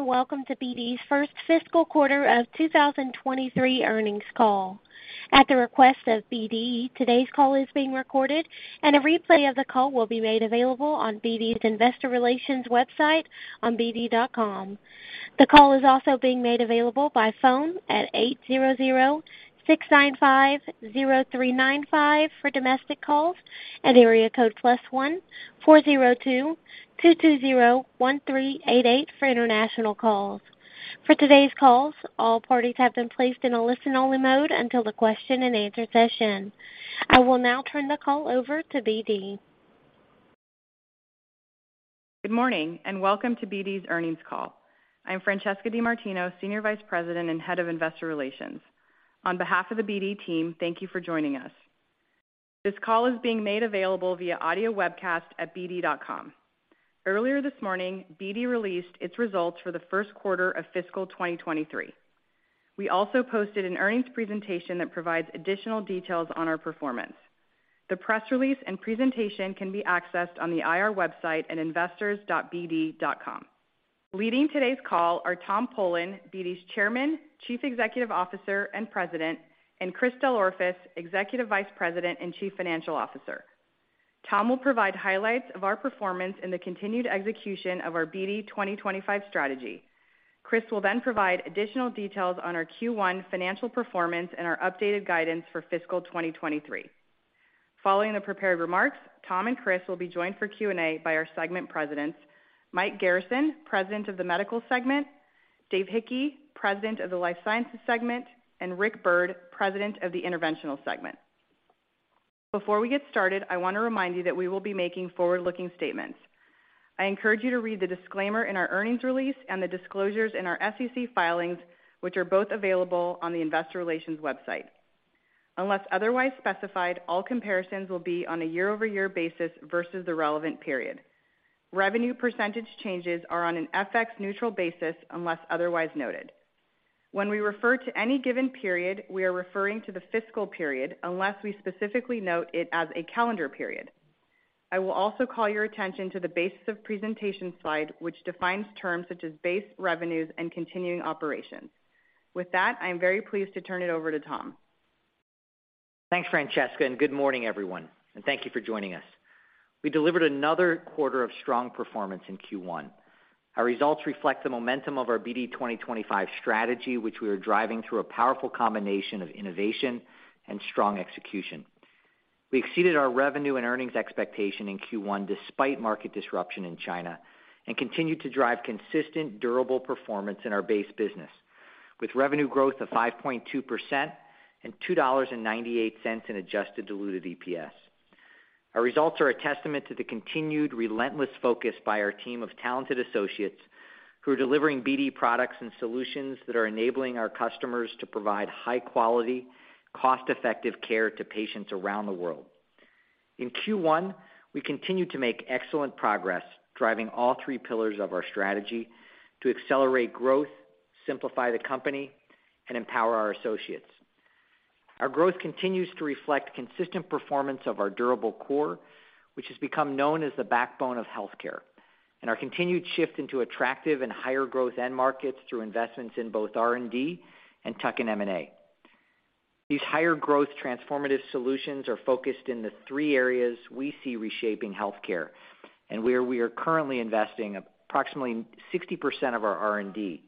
Hello, and welcome to BD's 1st fiscal quarter of 2023 earnings call. At the request of BD, today's call is being recorded, and a replay of the call will be made available on BD's investor relations website on bd.com. The call is also being made available by phone at 800-695-0395 for domestic calls and area code +1 402-220-1388 for international calls. For today's calls, all parties have been placed in a listen-only mode until the question-and-answer session. I will now turn the call over to BD. Good morning, welcome to BD's earnings call. I'm Francesca DeMartino, Senior Vice President and Head of Investor Relations. On behalf of the BD team, thank you for joining us. This call is being made available via audio webcast at bd.com. Earlier this morning, BD released its results for the 1st quarter of fiscal 2023. We also posted an earnings presentation that provides additional details on our performance. The press release and presentation can be accessed on the IR website at investors.bd.com. Leading today's call are Tom Polen, BD's Chairman, Chief Executive Officer, and President, and Chris DelOrefice, Executive Vice President and Chief Financial Officer. Tom will provide highlights of our performance in the continued execution of our BD 2025 strategy. Chris will then provide additional details on our Q1 financial performance and our updated guidance for fiscal 2023. Following the prepared remarks, Tom and Chris will be joined for Q&A by our segment presidents, Mike Garrison, President of the Medical Segment, Dave Hickey, President of the Life Sciences Segment, and Rick Byrd, President of the Interventional Segment. Before we get started, I wanna remind you that we will be making forward-looking statements. I encourage you to read the disclaimer in our earnings release and the disclosures in our SEC filings, which are both available on the investor relations website. Unless otherwise specified, all comparisons will be on a year-over-year basis versus the relevant period. Revenue percentage changes are on an FX neutral basis unless otherwise noted. When we refer to any given period, we are referring to the fiscal period unless we specifically note it as a calendar period. I will also call your attention to the basis of presentation slide, which defines terms such as base revenues and continuing operations. With that, I am very pleased to turn it over to Tom. Thanks, Francesca. Good morning, everyone, and thank you for joining us. We delivered another quarter of strong performance in Q1. Our results reflect the momentum of our BD 2025 strategy, which we are driving through a powerful combination of innovation and strong execution. We exceeded our revenue and earnings expectation in Q1 despite market disruption in China, continued to drive consistent, durable performance in our base business, with revenue growth of 5.2% and $2.98 in adjusted diluted EPS. Our results are a testament to the continued relentless focus by our team of talented associates who are delivering BD products and solutions that are enabling our customers to provide high-quality, cost-effective care to patients around the world. In Q1, we continued to make excellent progress driving all three pillars of our strategy to accelerate growth, simplify the company, and empower our associates. Our growth continues to reflect consistent performance of our durable core, which has become known as the backbone of healthcare, and our continued shift into attractive and higher growth end markets through investments in both R&D and tuck-in M&A. These higher growth transformative solutions are focused in the three areas we see reshaping healthcare, and where we are currently investing approximately 60% of our R&D.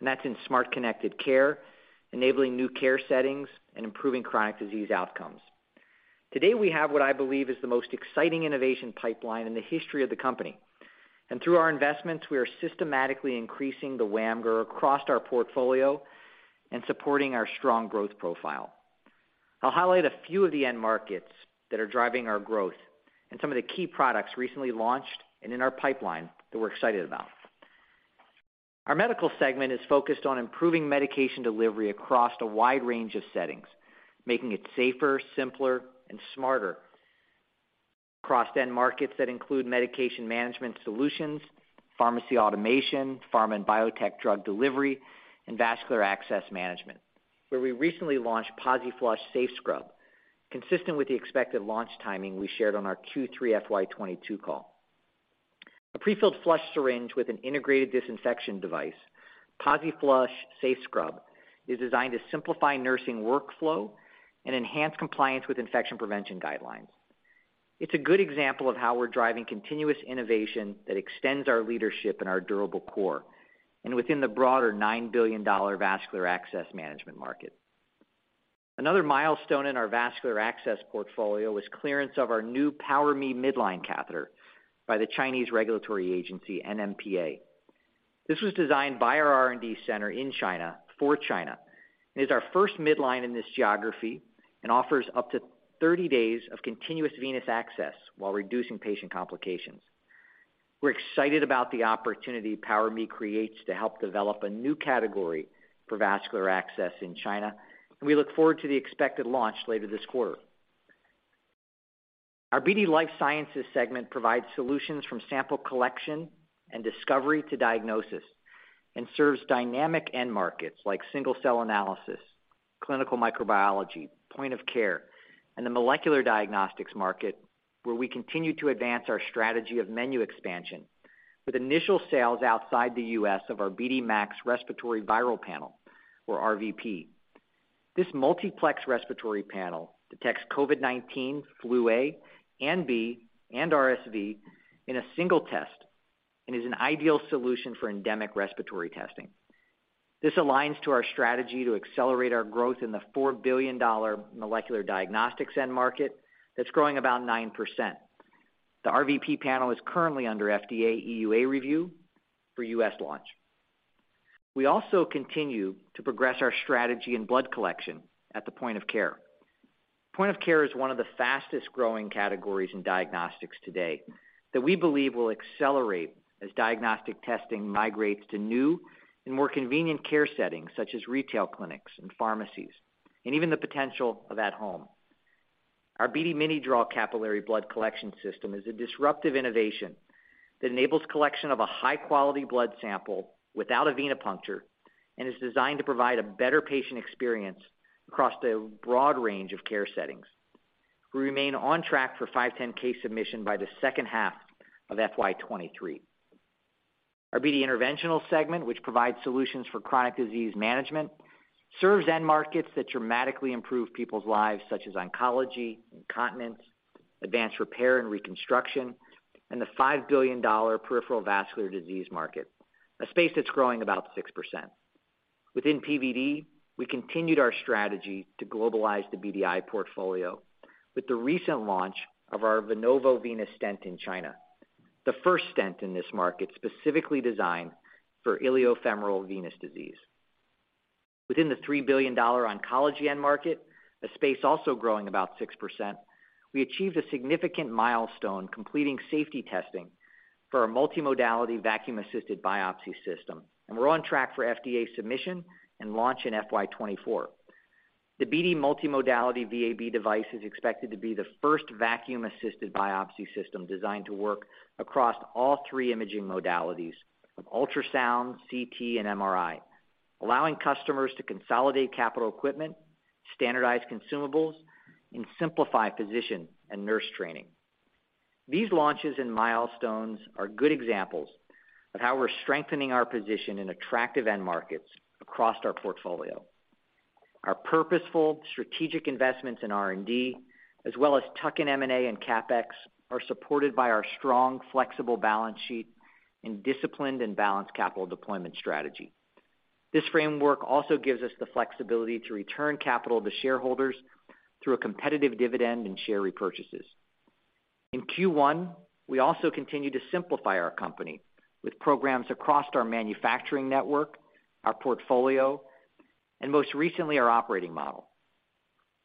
That's in smart connected care, enabling new care settings, and improving chronic disease outcomes. Today, we have what I believe is the most exciting innovation pipeline in the history of the company. Through our investments, we are systematically increasing the WAMGR across our portfolio and supporting our strong growth profile. I'll highlight a few of the end markets that are driving our growth and some of the key products recently launched and in our pipeline that we're excited about. Our Medical segment is focused on improving medication delivery across a wide range of settings, making it safer, simpler, and smarter across end markets that include Medication Management Solutions, pharmacy automation, pharma and biotech drug delivery, and vascular access management, where we recently launched PosiFlush SafeScrub, consistent with the expected launch timing we shared on our Q3 FY 2022 call. A prefilled flush syringe with an integrated disinfection device, PosiFlush SafeScrub is designed to simplify nursing workflow and enhance compliance with infection prevention guidelines. It's a good example of how we're driving continuous innovation that extends our leadership in our durable core and within the broader $9 billion vascular access management market. Another milestone in our vascular access portfolio was clearance of our new PowerMe midline catheter by the Chinese regulatory agency, NMPA. This was designed by our R&D center in China for China, and is our first midline in this geography and offers up to 30 days of continuous venous access while reducing patient complications. We're excited about the opportunity PowerMe creates to help develop a new category for vascular access in China, and we look forward to the expected launch later this quarter. Our BD Life Sciences segment provides solutions from sample collection and discovery to diagnosis. Serves dynamic end markets like single cell analysis, clinical microbiology, point of care, and the molecular diagnostics market, where we continue to advance our strategy of menu expansion with initial sales outside the U.S. of our BD MAX Respiratory Viral Panel or RVP. This multiplex respiratory panel detects COVID-19, flu A and B, and RSV in a single test and is an ideal solution for endemic respiratory testing. This aligns to our strategy to accelerate our growth in the $4 billion molecular diagnostics end market that's growing about 9%. The RVP panel is currently under FDA EUA review for U.S. launch. We also continue to progress our strategy in blood collection at the point of care. Point of care is one of the fastest-growing categories in diagnostics today that we believe will accelerate as diagnostic testing migrates to new and more convenient care settings such as retail clinics and pharmacies, and even the potential of at home. Our BD MiniDraw capillary blood collection system is a disruptive innovation that enables collection of a high-quality blood sample without a venipuncture and is designed to provide a better patient experience across a broad range of care settings. We remain on track for 510(k) submission by the second half of FY 2023. Our BD Interventional segment, which provides solutions for chronic disease management, serves end markets that dramatically improve people's lives, such as oncology, incontinence, advanced repair and reconstruction, and the $5 billion peripheral vascular disease market, a space that's growing about 6%. Within PVD, we continued our strategy to globalize the BDI portfolio with the recent launch of our Venovo venous stent in China, the first stent in this market specifically designed for iliofemoral venous disease. Within the $3 billion oncology end market, a space also growing about 6%, we achieved a significant milestone, completing safety testing for our multimodality vacuum-assisted biopsy system. We're on track for FDA submission and launch in FY 2024. The BD multimodality VAB device is expected to be the first vacuum-assisted biopsy system designed to work across all three imaging modalities of ultrasound, CT, and MRI, allowing customers to consolidate capital equipment, standardize consumables, and simplify physician and nurse training. These launches and milestones are good examples of how we're strengthening our position in attractive end markets across our portfolio. Our purposeful strategic investments in R&D, as well as tuck-in M&A and CapEx, are supported by our strong, flexible balance sheet and disciplined and balanced capital deployment strategy. This framework also gives us the flexibility to return capital to shareholders through a competitive dividend and share repurchases. In Q1, we also continued to simplify our company with programs across our manufacturing network, our portfolio, and most recently, our operating model.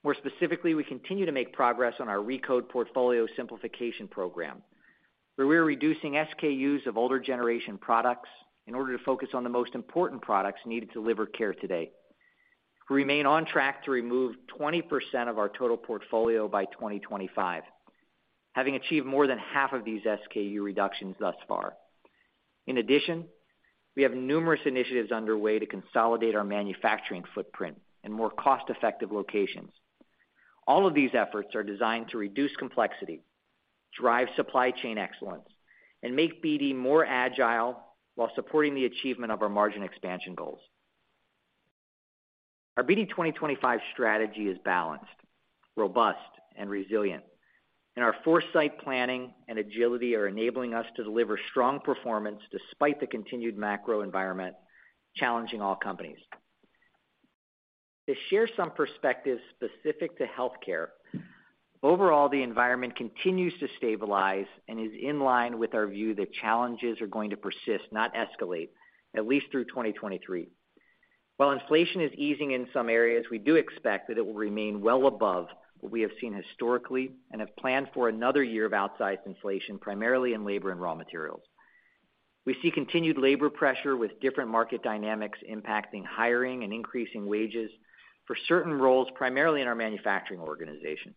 More specifically, we continue to make progress on our RECODE portfolio simplification program, where we're reducing SKUs of older generation products in order to focus on the most important products needed to deliver care today. We remain on track to remove 20% of our total portfolio by 2025, having achieved more than half of these SKU reductions thus far. In addition, we have numerous initiatives underway to consolidate our manufacturing footprint in more cost-effective locations. All of these efforts are designed to reduce complexity, drive supply chain excellence, and make BD more agile while supporting the achievement of our margin expansion goals. Our BD 2025 strategy is balanced, robust, and resilient, and our foresight planning and agility are enabling us to deliver strong performance despite the continued macro environment challenging all companies. To share some perspective specific to healthcare, overall, the environment continues to stabilize and is in line with our view that challenges are going to persist, not escalate, at least through 2023. While inflation is easing in some areas, we do expect that it will remain well above what we have seen historically and have planned for another year of outsized inflation, primarily in labor and raw materials. We see continued labor pressure with different market dynamics impacting hiring and increasing wages for certain roles, primarily in our manufacturing organization.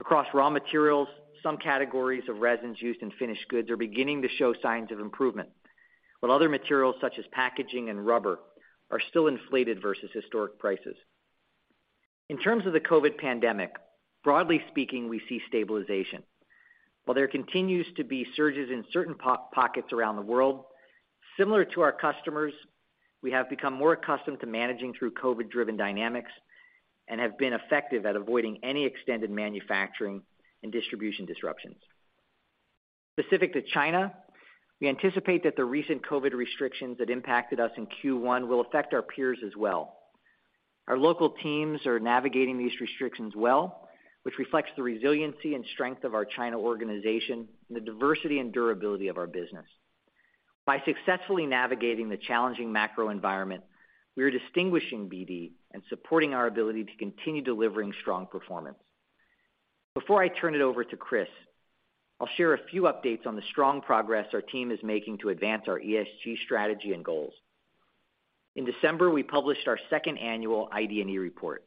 Across raw materials, some categories of resins used in finished goods are beginning to show signs of improvement, while other materials such as packaging and rubber are still inflated versus historic prices. In terms of the COVID pandemic, broadly speaking, we see stabilization. While there continues to be surges in certain pockets around the world, similar to our customers, we have become more accustomed to managing through COVID-driven dynamics and have been effective at avoiding any extended manufacturing and distribution disruptions. Specific to China, we anticipate that the recent COVID restrictions that impacted us in Q1 will affect our peers as well. Our local teams are navigating these restrictions well, which reflects the resiliency and strength of our China organization and the diversity and durability of our business. By successfully navigating the challenging macro environment, we are distinguishing BD and supporting our ability to continue delivering strong performance. Before I turn it over to Chris, I'll share a few updates on the strong progress our team is making to advance our ESG strategy and goals. In December, we published our second annual ID&E report,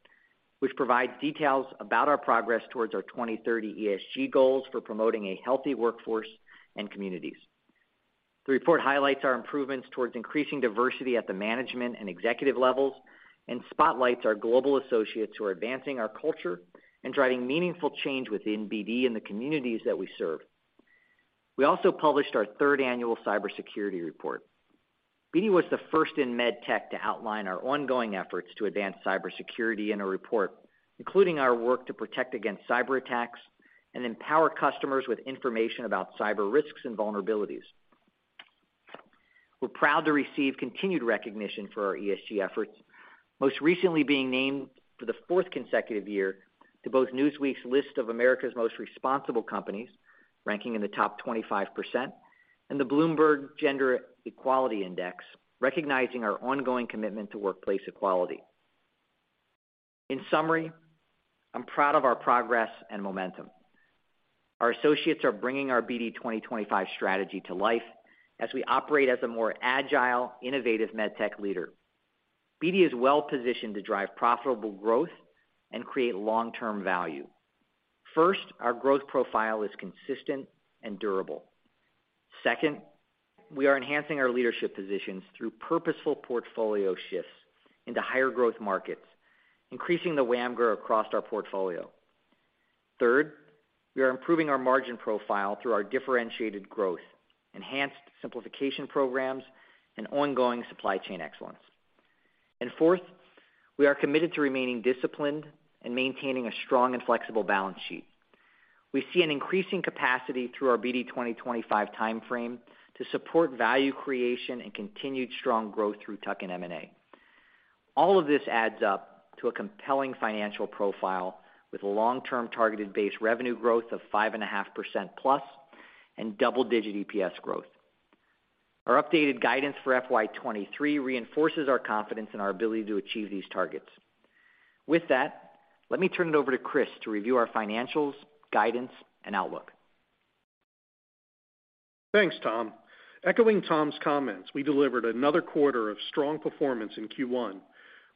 which provides details about our progress towards our 2030 ESG goals for promoting a healthy workforce and communities. The report highlights our improvements towards increasing diversity at the management and executive levels, and spotlights our global associates who are advancing our culture and driving meaningful change within BD and the communities that we serve. We also published our third annual cybersecurity report. BD was the first in med tech to outline our ongoing efforts to advance cybersecurity in a report, including our work to protect against cyberattacks and empower customers with information about cyber risks and vulnerabilities. We're proud to receive continued recognition for our ESG efforts, most recently being named for the fourth consecutive year to both Newsweek's list of America's most responsible companies, ranking in the top 25%, and the Bloomberg Gender-Equality Index, recognizing our ongoing commitment to workplace equality. In summary, I'm proud of our progress and momentum. Our associates are bringing our BD 2025 strategy to life as we operate as a more agile, innovative med tech leader. BD is well-positioned to drive profitable growth and create long-term value. First, our growth profile is consistent and durable. Second, we are enhancing our leadership positions through purposeful portfolio shifts into higher growth markets, increasing the WAMGR across our portfolio. Third, we are improving our margin profile through our differentiated growth, enhanced simplification programs, and ongoing supply chain excellence. Fourth, we are committed to remaining disciplined and maintaining a strong and flexible balance sheet. We see an increasing capacity through our BD 2025 time frame to support value creation and continued strong growth through tuck-in M&A. All of this adds up to a compelling financial profile with long-term targeted base revenue growth of 5.5%+ and double-digit EPS growth. Our updated guidance for FY 2023 reinforces our confidence in our ability to achieve these targets. With that, let me turn it over to Chris to review our financials, guidance, and outlook. Thanks, Tom. Echoing Tom's comments, we delivered another quarter of strong performance in Q1,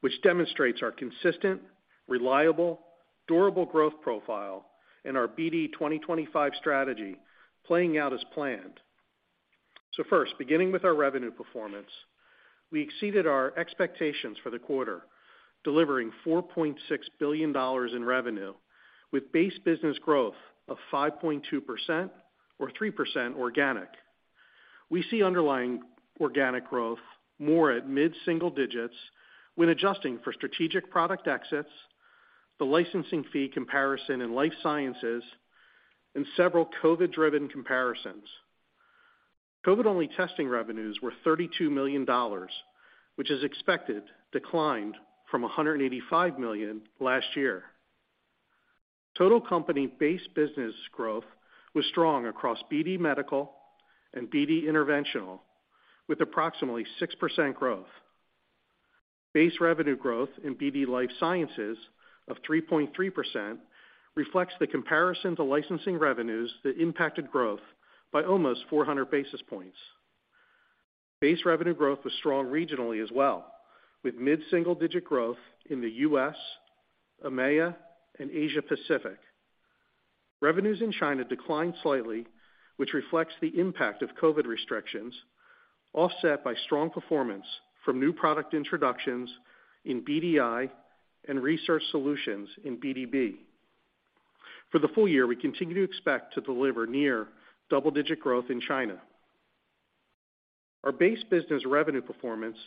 which demonstrates our consistent, reliable, durable growth profile and our BD 2025 strategy playing out as planned. First, beginning with our revenue performance, we exceeded our expectations for the quarter, delivering $4.6 billion in revenue with base business growth of 5.2% or 3% organic. We see underlying organic growth more at mid-single digits when adjusting for strategic product exits, the licensing fee comparison in life sciences, and several COVID-driven comparisons. COVID-only testing revenues were $32 million, which, as expected, declined from $185 million last year. Total company base business growth was strong across BD Medical and BD Interventional, with approximately 6% growth. Base revenue growth in BD Life Sciences of 3.3% reflects the comparison to licensing revenues that impacted growth by almost 400 basis points. Base revenue growth was strong regionally as well, with mid-single-digit growth in the U.S., EMEA, and Asia Pacific. Revenues in China declined slightly, which reflects the impact of COVID restrictions, offset by strong performance from new product introductions in BDI and Research Solutions in BDB. For the full year, we continue to expect to deliver near double-digit growth in China. Our base business revenue performance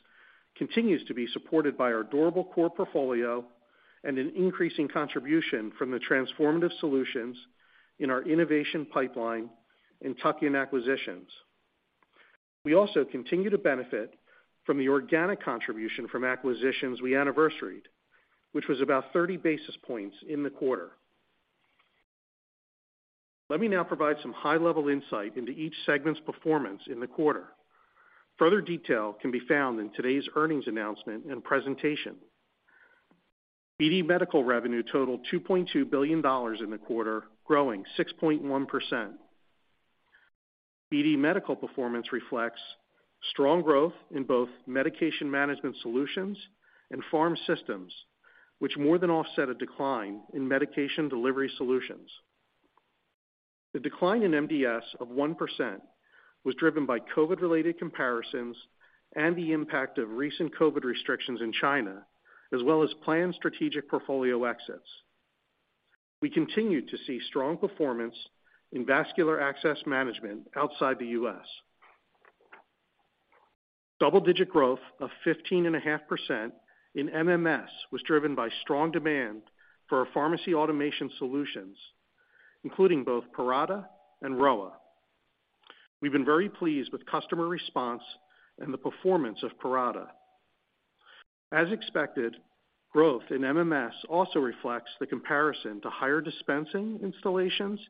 continues to be supported by our durable core portfolio and an increasing contribution from the transformative solutions in our innovation pipeline and tuck-in acquisitions. We also continue to benefit from the organic contribution from acquisitions we anniversaried, which was about 30 basis points in the quarter. Let me now provide some high-level insight into each segment's performance in the quarter. Further detail can be found in today's earnings announcement and presentation. BD Medical revenue totaled $2.2 billion in the quarter, growing 6.1%. BD Medical performance reflects strong growth in both Medication Management Solutions and Pharm Systems, which more than offset a decline in medication delivery solutions. The decline in MDS of 1% was driven by COVID-related comparisons and the impact of recent COVID restrictions in China, as well as planned strategic portfolio exits. We continue to see strong performance in vascular access management outside the U.S. Double-digit growth of 15.5% in MMS was driven by strong demand for our pharmacy automation solutions, including both Parata and Rowa. We've been very pleased with customer response and the performance of Parata. As expected, growth in MMS also reflects the comparison to higher dispensing installations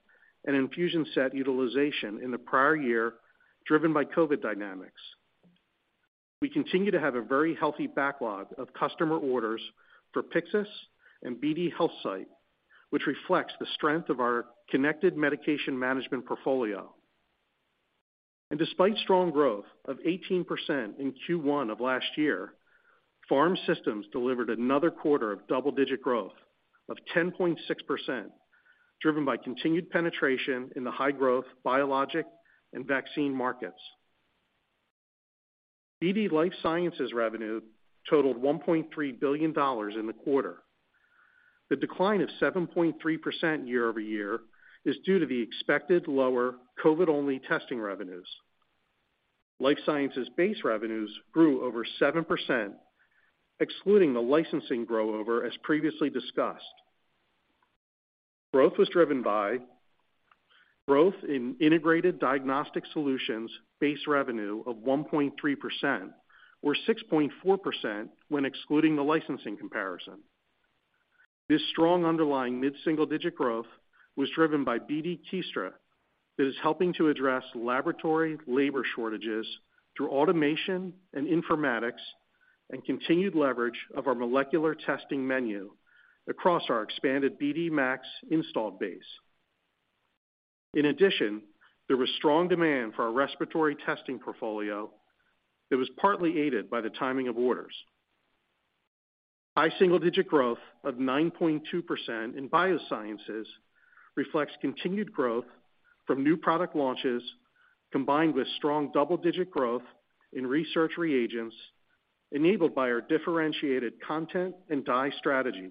and infusion set utilization in the prior year, driven by COVID dynamics. We continue to have a very healthy backlog of customer orders for Pyxis and BD HealthSight, which reflects the strength of our connected medication management portfolio. Despite strong growth of 18% in Q1 of last year, Pharm Systems delivered another quarter of double-digit growth of 10.6%, driven by continued penetration in the high growth biologic and vaccine markets. BD Life Sciences revenue totaled $1.3 billion in the quarter. The decline of 7.3% year-over-year is due to the expected lower COVID-only testing revenues. Life Sciences base revenues grew over 7%, excluding the licensing grow over as previously discussed. Growth was driven by growth in integrated diagnostic solutions base revenue of 1.3%, or 6.4% when excluding the licensing comparison. This strong underlying mid-single-digit growth was driven by BD Kiestra that is helping to address laboratory labor shortages through automation and informatics and continued leverage of our molecular testing menu across our expanded BD MAX install base. In addition, there was strong demand for our respiratory testing portfolio that was partly aided by the timing of orders. High single digit growth of 9.2% in BD Biosciences reflects continued growth from new product launches, combined with strong double-digit growth in research reagents enabled by our differentiated content and dye strategy.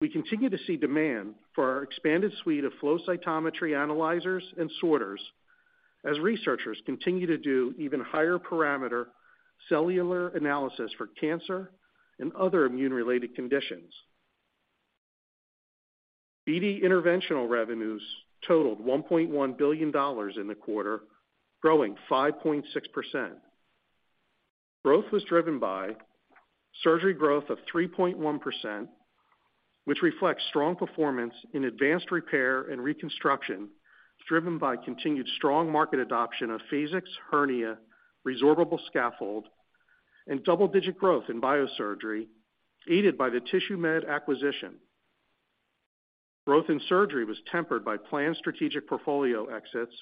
We continue to see demand for our expanded suite of flow cytometry analyzers and sorters as researchers continue to do even higher parameter cellular analysis for cancer and other immune-related conditions. BD Interventional revenues totaled $1.1 billion in the quarter, growing 5.6%. Growth was driven by surgery growth of 3.1%, which reflects strong performance in advanced repair and reconstruction, driven by continued strong market adoption of Phasix hernia resorbable scaffold and double-digit growth in biosurgery, aided by the Tissuemed acquisition. Growth in surgery was tempered by planned strategic portfolio exits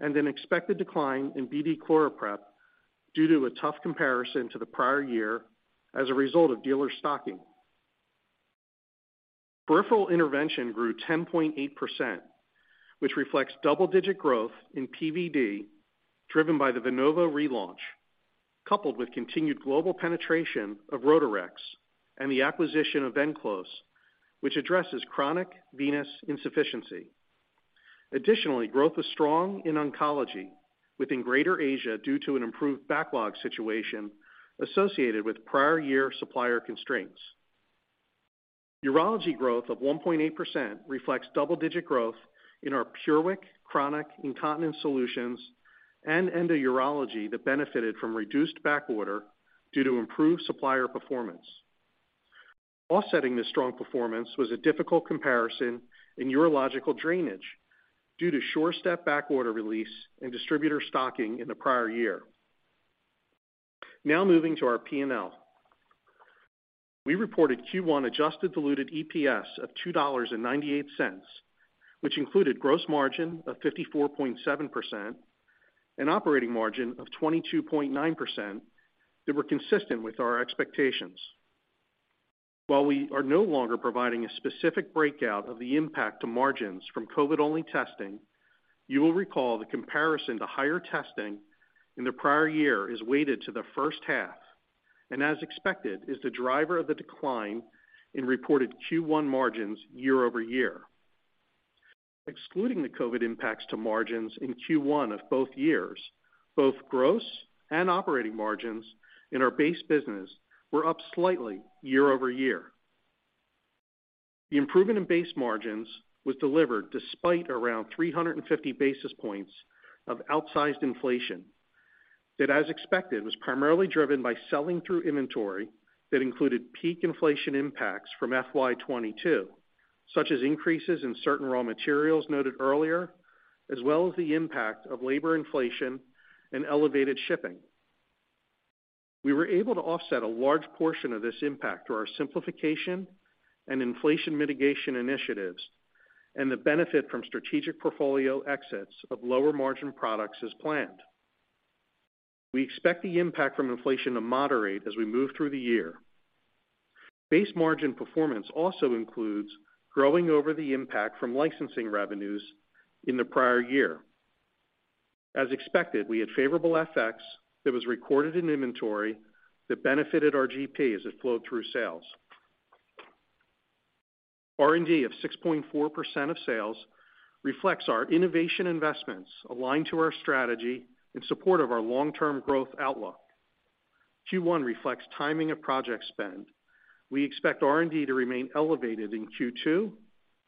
and an expected decline in BD ChloraPrep due to a tough comparison to the prior year as a result of dealer stocking. Peripheral intervention grew 10.8%, which reflects double-digit growth in PVD, driven by the Venovo relaunch, coupled with continued global penetration of Rotarex and the acquisition of Venclose, which addresses chronic venous insufficiency. Additionally, growth was strong in oncology within Greater Asia due to an improved backlog situation associated with prior year supplier constraints. Urology growth of 1.8% reflects double-digit growth in our PureWick chronic incontinence solutions and endourology that benefited from reduced backorder due to improved supplier performance. Offsetting this strong performance was a difficult comparison in urological drainage due to SureStep backorder release and distributor stocking in the prior year. Moving to our P&L. We reported Q1 adjusted diluted EPS of $2.98, which included gross margin of 54.7% and operating margin of 22.9% that were consistent with our expectations. While we are no longer providing a specific breakout of the impact to margins from COVID-only testing, you will recall the comparison to higher testing in the prior year is weighted to the first half, and as expected, is the driver of the decline in reported Q1 margins year-over-year. Excluding the COVID impacts to margins in Q1 of both years, both gross and operating margins in our base business were up slightly year-over-year. The improvement in base margins was delivered despite around 350 basis points of outsized inflation that, as expected, was primarily driven by selling through inventory that included peak inflation impacts from FY 2022, such as increases in certain raw materials noted earlier, as well as the impact of labor inflation and elevated shipping. We were able to offset a large portion of this impact through our simplification and inflation mitigation initiatives and the benefit from strategic portfolio exits of lower margin products as planned. We expect the impact from inflation to moderate as we move through the year. Base margin performance also includes growing over the impact from licensing revenues in the prior year. As expected, we had favorable FX that was recorded in inventory that benefited our GP as it flowed through sales. R&D of 6.4% of sales reflects our innovation investments aligned to our strategy in support of our long-term growth outlook. Q1 reflects timing of project spend. We expect R&D to remain elevated in Q2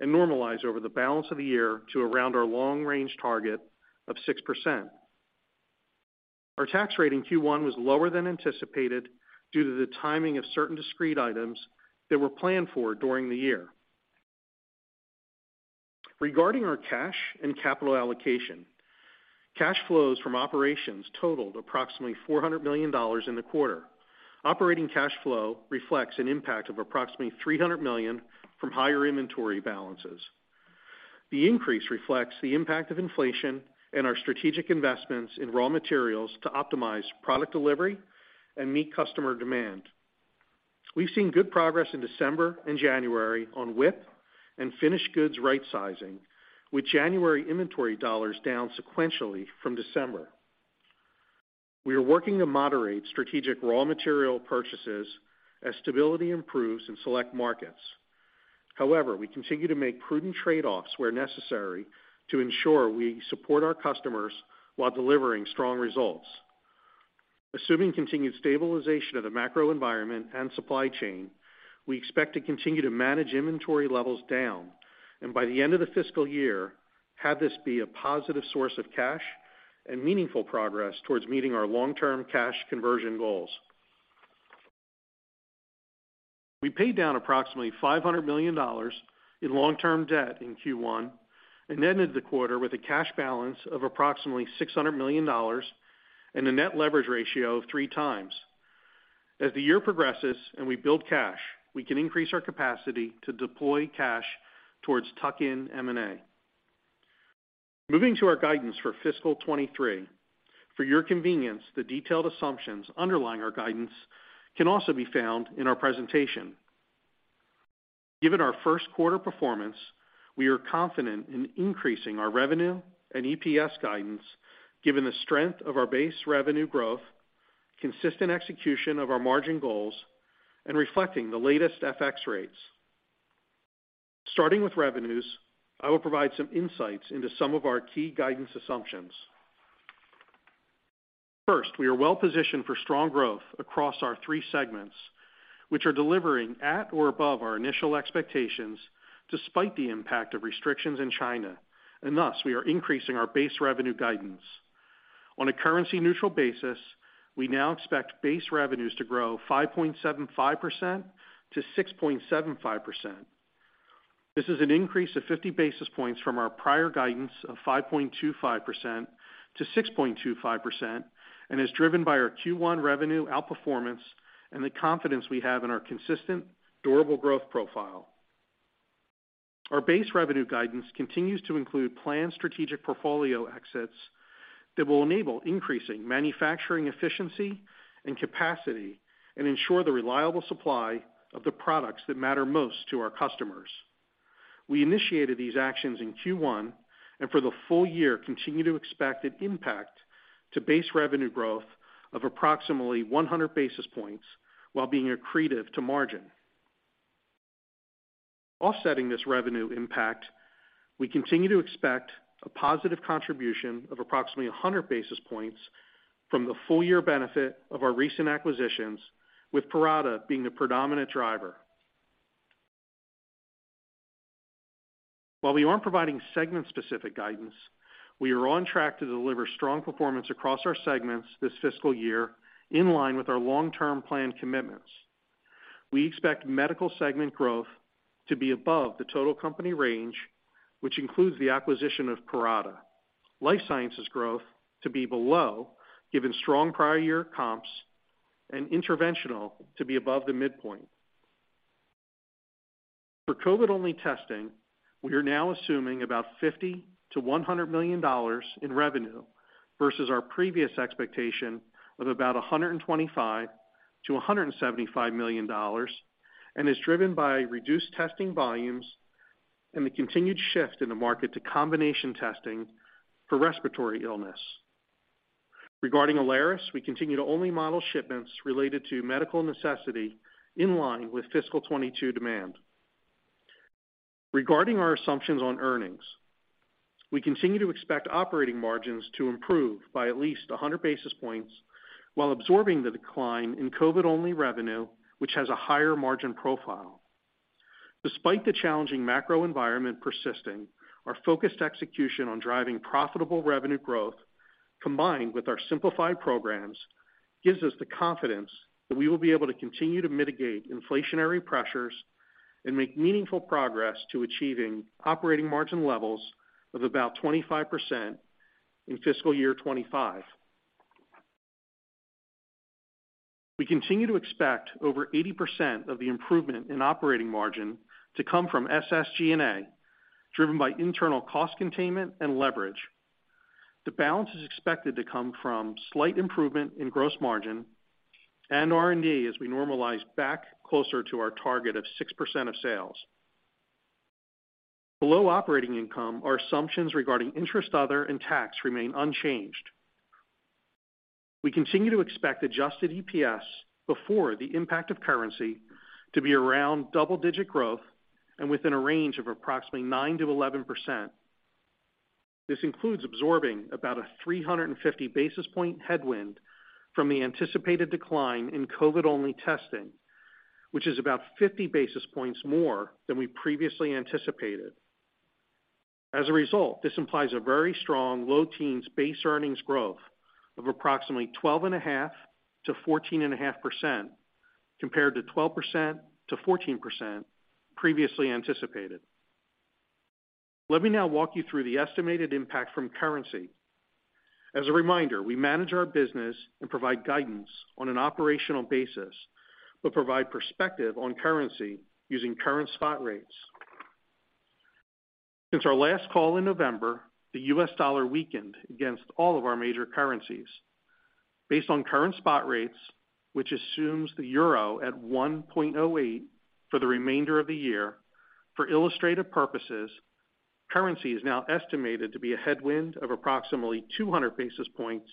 and normalize over the balance of the year to around our long-range target of 6%. Our tax rate in Q1 was lower than anticipated due to the timing of certain discrete items that were planned for during the year. Regarding our cash and capital allocation, cash flows from operations totaled approximately $400 million in the quarter. Operating cash flow reflects an impact of approximately $300 million from higher inventory balances. The increase reflects the impact of inflation and our strategic investments in raw materials to optimize product delivery and meet customer demand. We've seen good progress in December and January on whip and finished goods rightsizing, with January inventory dollars down sequentially from December. We are working to moderate strategic raw material purchases as stability improves in select markets. However, we continue to make prudent trade-offs where necessary to ensure we support our customers while delivering strong results. Assuming continued stabilization of the macro environment and supply chain, we expect to continue to manage inventory levels down, and by the end of the fiscal year, have this be a positive source of cash and meaningful progress towards meeting our long-term cash conversion goals. We paid down approximately $500 million in long-term debt in Q1 and ended the quarter with a cash balance of approximately $600 million and a net leverage ratio of 3 times. As the year progresses and we build cash, we can increase our capacity to deploy cash towards tuck-in M&A. Moving to our guidance for fiscal 2023. For your convenience, the detailed assumptions underlying our guidance can also be found in our presentation. Given our first quarter performance, we are confident in increasing our revenue and EPS guidance given the strength of our base revenue growth, consistent execution of our margin goals, and reflecting the latest FX rates. Starting with revenues, I will provide some insights into some of our key guidance assumptions. We are well-positioned for strong growth across our three segments, which are delivering at or above our initial expectations despite the impact of restrictions in China, and thus we are increasing our base revenue guidance. On a currency-neutral basis, we now expect base revenues to grow 5.75%-6.75%. This is an increase of 50 basis points from our prior guidance of 5.25%-6.25% and is driven by our Q1 revenue outperformance and the confidence we have in our consistent, durable growth profile. Our base revenue guidance continues to include planned strategic portfolio exits that will enable increasing manufacturing efficiency and capacity and ensure the reliable supply of the products that matter most to our customers. We initiated these actions in Q1 and for the full year continue to expect an impact to base revenue growth of approximately 100 basis points while being accretive to margin. Offsetting this revenue impact, we continue to expect a positive contribution of approximately 100 basis points from the full year benefit of our recent acquisitions, with Parata being the predominant driver. While we aren't providing segment-specific guidance, we are on track to deliver strong performance across our segments this fiscal year, in line with our long-term plan commitments. We expect Medical segment growth to be above the total company range, which includes the acquisition of Parata. Life sciences growth to be below, given strong prior year comps, and interventional to be above the midpoint. For COVID-only testing, we are now assuming about $50 million-$100 million in revenue versus our previous expectation of about $125 million-$175 million and is driven by reduced testing volumes and the continued shift in the market to combination testing for respiratory illness. Regarding Alaris, we continue to only model shipments related to medical necessity in line with fiscal 2022 demand. Regarding our assumptions on earnings, we continue to expect operating margins to improve by at least 100 basis points while absorbing the decline in COVID-only revenue, which has a higher margin profile. Despite the challenging macro environment persisting, our focused execution on driving profitable revenue growth, combined with our simplified programs, gives us the confidence that we will be able to continue to mitigate inflationary pressures and make meaningful progress to achieving operating margin levels of about 25% in fiscal year 2025. We continue to expect over 80% of the improvement in operating margin to come from SSG&A, driven by internal cost containment and leverage. The balance is expected to come from slight improvement in gross margin and R&D as we normalize back closer to our target of 6% of sales. Below operating income, our assumptions regarding interest other and tax remain unchanged. We continue to expect adjusted EPS before the impact of currency to be around double-digit growth and within a range of approximately 9%-11%. This includes absorbing about a 350 basis point headwind from the anticipated decline in COVID-only testing, which is about 50 basis points more than we previously anticipated. This implies a very strong low teens base earnings growth of approximately 12.5%-14.5%, compared to 12%-14% previously anticipated. Let me now walk you through the estimated impact from currency. As a reminder, we manage our business and provide guidance on an operational basis, but provide perspective on currency using current spot rates. Since our last call in November, the U.S. dollar weakened against all of our major currencies. Based on current spot rates, which assumes the EUR at 1.08 for the remainder of the year, for illustrative purposes, currency is now estimated to be a headwind of approximately 200 basis points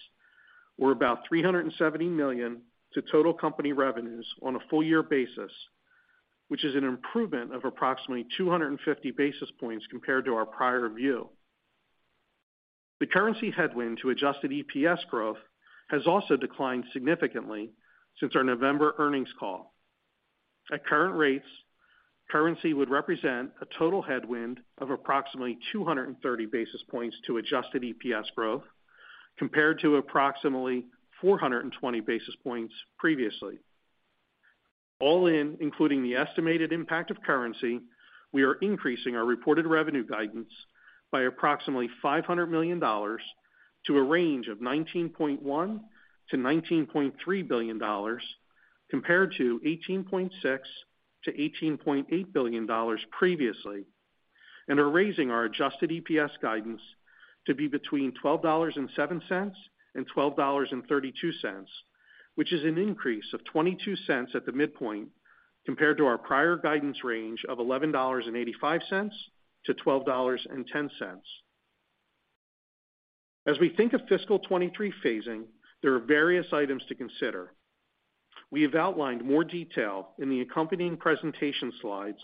or about $370 million to total company revenues on a full year basis, which is an improvement of approximately 250 basis points compared to our prior view. The currency headwind to adjusted EPS growth has also declined significantly since our November earnings call. At current rates, currency would represent a total headwind of approximately 230 basis points to adjusted EPS growth, compared to approximately 420 basis points previously. All in, including the estimated impact of currency, we are increasing our reported revenue guidance by approximately $500 million to a range of $19.1 billion-$19.3 billion, compared to $18.6 billion-$18.8 billion previously. We are raising our adjusted EPS guidance to be between $12.07 and $12.32, which is an increase of $0.22 at the midpoint compared to our prior guidance range of $11.85-$12.10. As we think of fiscal 23 phasing, there are various items to consider. We have outlined more detail in the accompanying presentation slides,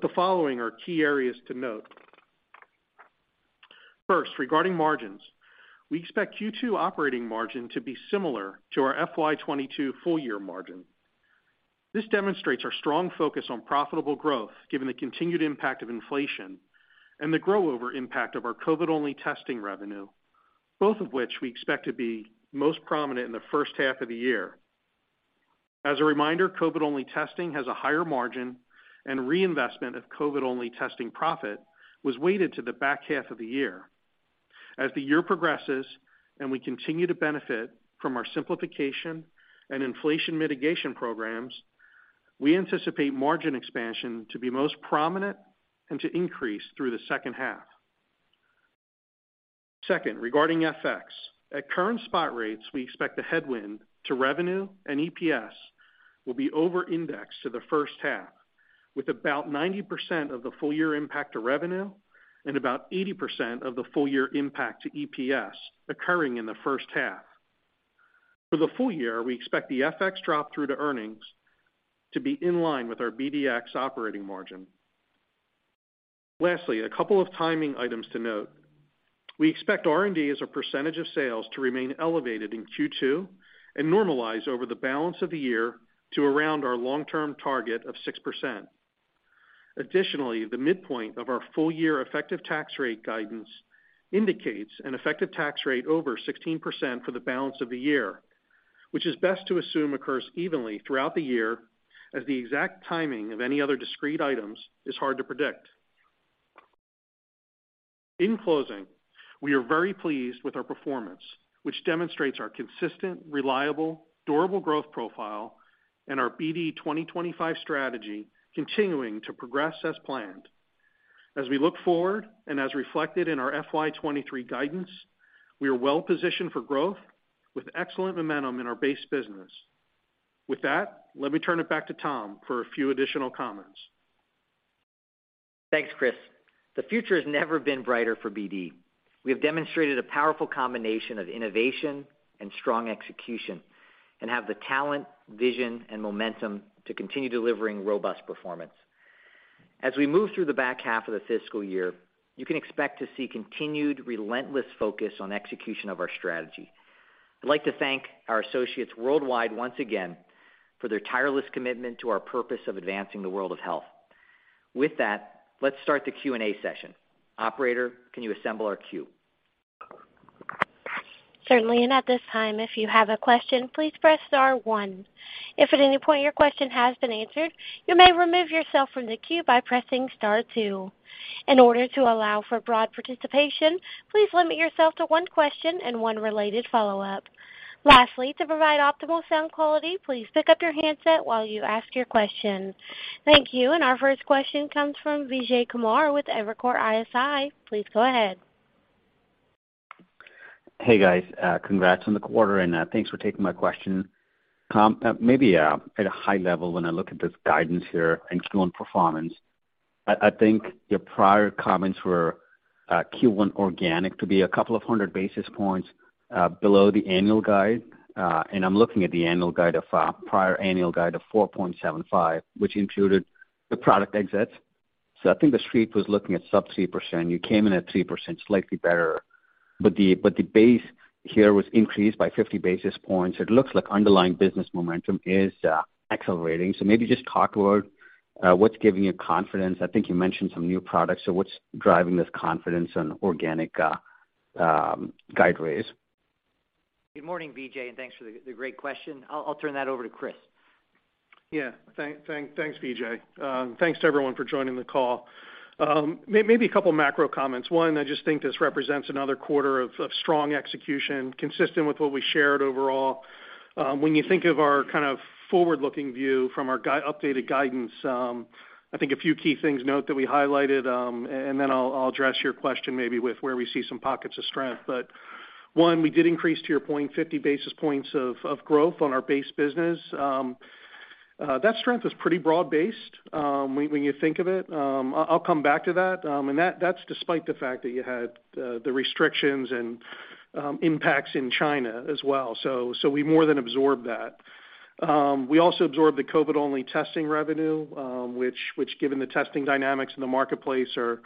the following are key areas to note. First, regarding margins, we expect Q2 operating margin to be similar to our FY 2022 full year margin. This demonstrates our strong focus on profitable growth given the continued impact of inflation and the grow over impact of our COVID-only testing revenue, both of which we expect to be most prominent in the first half of the year. As a reminder, COVID-only testing has a higher margin and reinvestment of COVID-only testing profit was weighted to the back half of the year. As the year progresses and we continue to benefit from our simplification and inflation mitigation programs, we anticipate margin expansion to be most prominent and to increase through the second half. Second, regarding FX. At current spot rates, we expect the headwind to revenue and EPS will be over-indexed to the first half, with about 90% of the full year impact to revenue and about 80% of the full year impact to EPS occurring in the first half. For the full year, we expect the FX drop through to earnings to be in line with our BDX operating margin. Lastly, a couple of timing items to note. We expect R&D as a percentage of sales to remain elevated in Q2 and normalize over the balance of the year to around our long-term target of 6%. The midpoint of our full year effective tax rate guidance indicates an effective tax rate over 16% for the balance of the year, which is best to assume occurs evenly throughout the year as the exact timing of any other discrete items is hard to predict. In closing, we are very pleased with our performance, which demonstrates our consistent, reliable, durable growth profile and our BD 2025 strategy continuing to progress as planned. As we look forward and as reflected in our FY 2023 guidance, we are well positioned for growth with excellent momentum in our base business. With that, let me turn it back to Tom for a few additional comments. Thanks, Chris. The future has never been brighter for BD. We have demonstrated a powerful combination of innovation and strong execution and have the talent, vision, and momentum to continue delivering robust performance. As we move through the back half of the fiscal year, you can expect to see continued relentless focus on execution of our strategy. I'd like to thank our associates worldwide once again for their tireless commitment to our purpose of advancing the world of health. With that, let's start the Q&A session. Operator, can you assemble our queue? Certainly, at this time, if you have a question, please press star one. If at any point your question has been answered, you may remove yourself from the queue by pressing star two. In order to allow for broad participation, please limit yourself to one question and one related follow-up. Lastly, to provide optimal sound quality, please pick up your handset while you ask your question. Thank you. Our first question comes from Vijay Kumar with Evercore ISI. Please go ahead. Hey, guys, congrats on the quarter, and thanks for taking my question. Tom, maybe at a high level, when I look at this guidance here and Q1 performance, I think your prior comments were Q1 organic to be 200 basis points below the annual guide. I'm looking at the annual guide of prior annual guide of 4.75%, which included the product exits. I think the Street was looking at sub 3%. You came in at 3%, slightly better. But the base here was increased by 50 basis points. It looks like underlying business momentum is accelerating. Maybe just talk to what's giving you confidence. I think you mentioned some new products. What's driving this confidence on organic guide raise? Good morning, Vijay. Thanks for the great question. I'll turn that over to Chris. Yeah. Thanks, Vijay. Thanks to everyone for joining the call. Maybe a couple of macro comments. One, I just think this represents another quarter of strong execution, consistent with what we shared overall. When you think of our kind of forward-looking view from our updated guidance, I think a few key things note that we highlighted, and then I'll address your question maybe with where we see some pockets of strength. One, we did increase, to your point, 50 basis points of growth on our base business. That strength is pretty broad-based, when you think of it. I'll come back to that. And that's despite the fact that you had the restrictions and impacts in China as well. We more than absorbed that. We also absorbed the COVID-only testing revenue, which given the testing dynamics in the marketplace are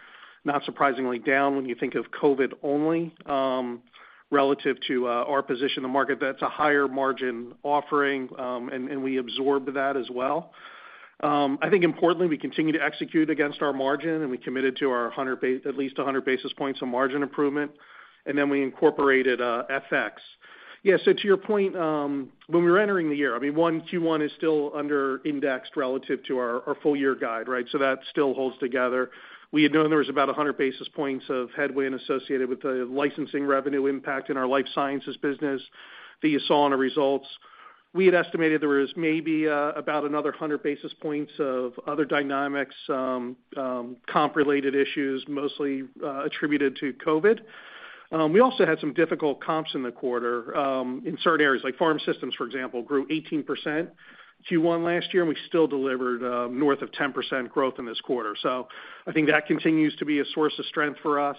not surprisingly down when you think of COVID only, relative to our position in the market, that's a higher margin offering, and we absorbed that as well. I think importantly, we continue to execute against our margin, and we committed to our at least 100 basis points on margin improvement, and then we incorporated FX. To your point, when we were entering the year, I mean, 1, Q1 is still under indexed relative to our full year guide, right? That still holds together. We had known there was about 100 basis points of headwind associated with the licensing revenue impact in our Life Sciences business that you saw in our results. We had estimated there was maybe about another 100 basis points of other dynamics, comp-related issues, mostly attributed to COVID. We also had some difficult comps in the quarter in certain areas, like Pharm Systems, for example, grew 18% Q1 last year, and we still delivered north of 10% growth in this quarter. I think that continues to be a source of strength for us.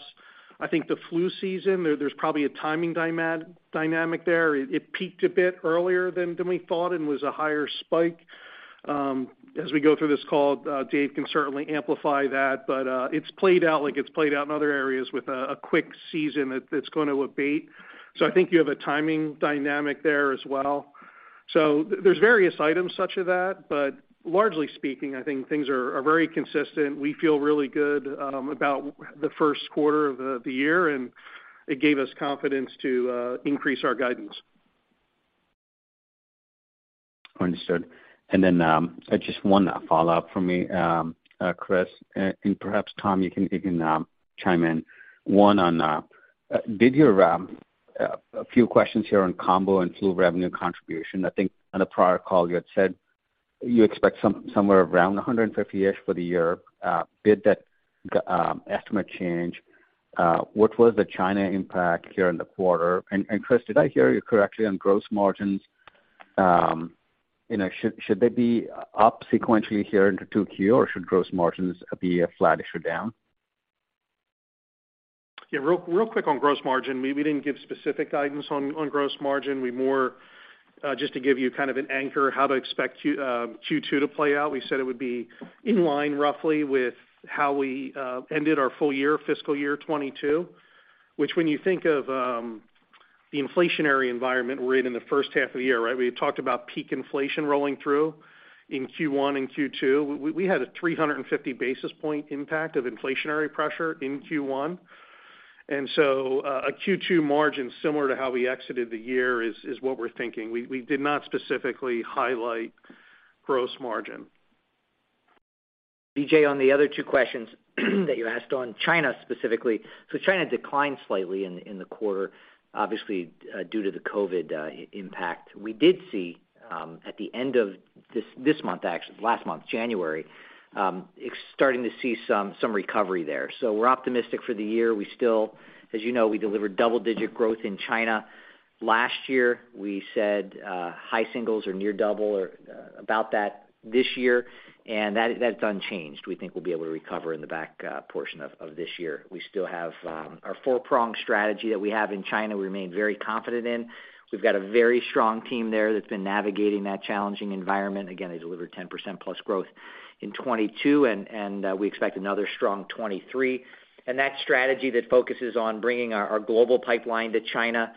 I think the flu season, there's probably a timing dynamic there. It peaked a bit earlier than we thought and was a higher spike. As we go through this call, Dave can certainly amplify that, but it's played out like it's played out in other areas with a quick season that's gonna abate. I think you have a timing dynamic there as well. There's various items such as that, but largely speaking, I think things are very consistent. We feel really good about the first quarter of the year, and it gave us confidence to increase our guidance. Understood. Then, just one follow-up for me, Chris, and perhaps Tom, you can chime in. One, on, did your a few questions here on combo and flu revenue contribution. I think on a prior call, you had said you expect somewhere around $150-ish for the year. Did that estimate change? What was the China impact here in the quarter? Chris, did I hear you correctly on gross margins? You know, should they be up sequentially here into 2Q, or should gross margins be flattish or down? Yeah. Real quick on gross margin. We didn't give specific guidance on gross margin. We more just to give you kind of an anchor how to expect Q2 to play out, we said it would be in line roughly with how we ended our full year, fiscal year 2022, which when you think of the inflationary environment we're in in the first half of the year, right? We had talked about peak inflation rolling through in Q1 and Q2. We had a 350 basis point impact of inflationary pressure in Q1. A Q2 margin similar to how we exited the year is what we're thinking. We did not specifically highlight gross margin. Vijay, on the other two questions that you asked on China specifically. China declined slightly in the quarter, obviously, due to the COVID impact. We did see, at the end of this month, actually, last month, January, it's starting to see some recovery there. We're optimistic for the year. We still, as you know, we delivered double-digit growth in China last year. We said, high singles or near double or about that this year, and that is, that's unchanged. We think we'll be able to recover in the back portion of this year. We still have our four-prong strategy that we have in China we remain very confident in. We've got a very strong team there that's been navigating that challenging environment. Again, they delivered 10% plus growth in 2022, and we expect another strong 2023. That strategy that focuses on bringing our global pipeline to China,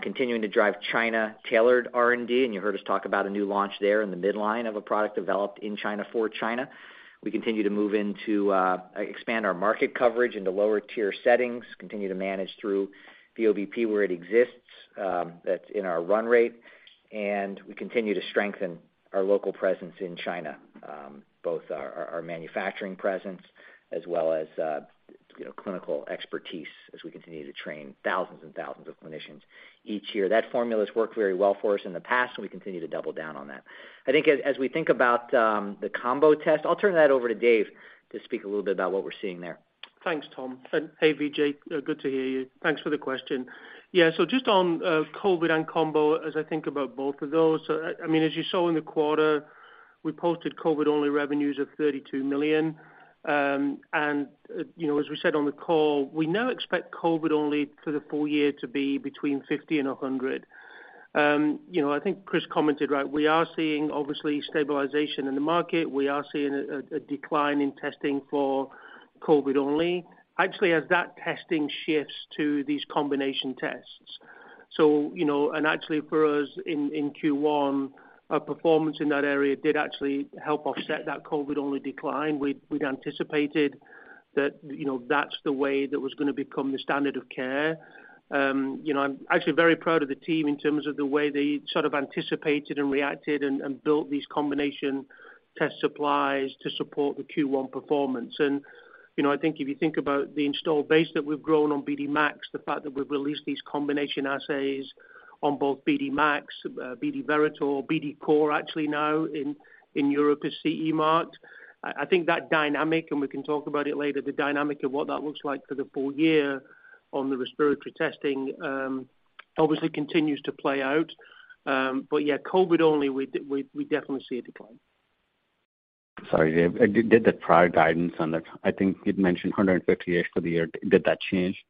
continuing to drive China-tailored R&D, and you heard us talk about a new launch there in the midline of a product developed in China for China. We continue to move into expand our market coverage into lower tier settings, continue to manage through VOP where it exists, that's in our run rate, and we continue to strengthen our local presence in China, both our manufacturing presence as well as, you know, clinical expertise as we continue to train thousands and thousands of clinicians each year. That formula's worked very well for us in the past, and we continue to double down on that. I think as we think about the combo test, I'll turn that over to Dave to speak a little bit about what we're seeing there. Thanks, Tom. Hey, Vijay, good to hear you. Thanks for the question. Yeah. Just on COVID and combo, as I think about both of those, I mean, as you saw in the quarter, we posted COVID-only revenues of $32 million. You know, as we said on the call, we now expect COVID-only for the full year to be between $50 million-$100 million. You know, I think Chris commented, right, we are seeing obviously stabilization in the market. We are seeing a decline in testing for COVID-only. Actually, as that testing shifts to these combination tests. You know, actually for us in Q1, our performance in that area did actually help offset that COVID-only decline we'd anticipated. That, you know, that's the way that was gonna become the standard of care. You know, I'm actually very proud of the team in terms of the way they sort of anticipated and reacted and built these combination test supplies to support the Q1 performance. You know, I think if you think about the installed base that we've grown on BD MAX, the fact that we've released these combination assays on both BD MAX, BD Veritor, BD COR actually now in Europe is CE marked. I think that dynamic, and we can talk about it later, the dynamic of what that looks like for the full year on the respiratory testing, obviously continues to play out. Yeah, COVID only, we definitely see a decline. Sorry, Dave. Did the prior guidance on that, I think you'd mentioned 150-ish for the year? Did that change?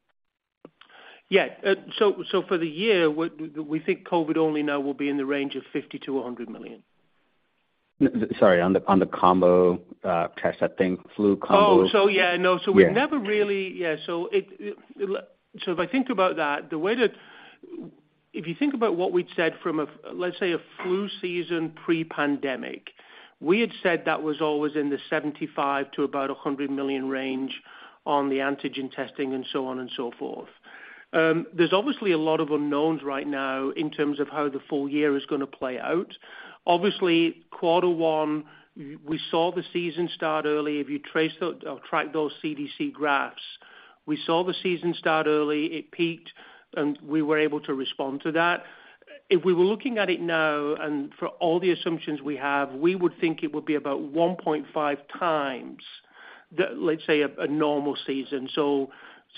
Yeah. For the year, we think COVID only now will be in the range of $50 million-$100 million. No, on the, on the combo test, I think flu combo. Oh, so yeah, no. Yeah. If you think about what we'd said from a let's say a flu season pre-pandemic, we had said that was always in the $75 million-$100 million range on the antigen testing and so on and so forth. There's obviously a lot of unknowns right now in terms of how the full year is gonna play out. Obviously, quarter one, we saw the season start early. If you trace or track those CDC graphs, we saw the season start early, it peaked, and we were able to respond to that. If we were looking at it now, and for all the assumptions we have, we would think it would be about 1.5 times the, let's say a normal season.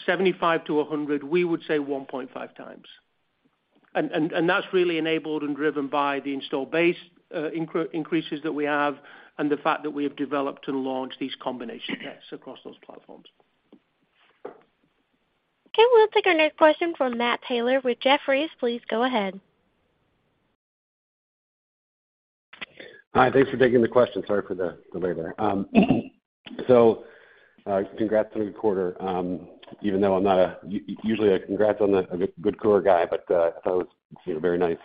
75-100, we would say 1.5 times. And that's really enabled and driven by the installed base, increases that we have and the fact that we have developed and launched these combination tests across those platforms. Okay, we'll take our next question from Matt Taylor with Jefferies. Please go ahead. Hi, thanks for taking the question. Sorry for the delay there. Congrats on a good quarter. Even though I'm not a usually a congrats on a good quarter guy, that was, you know, very nice.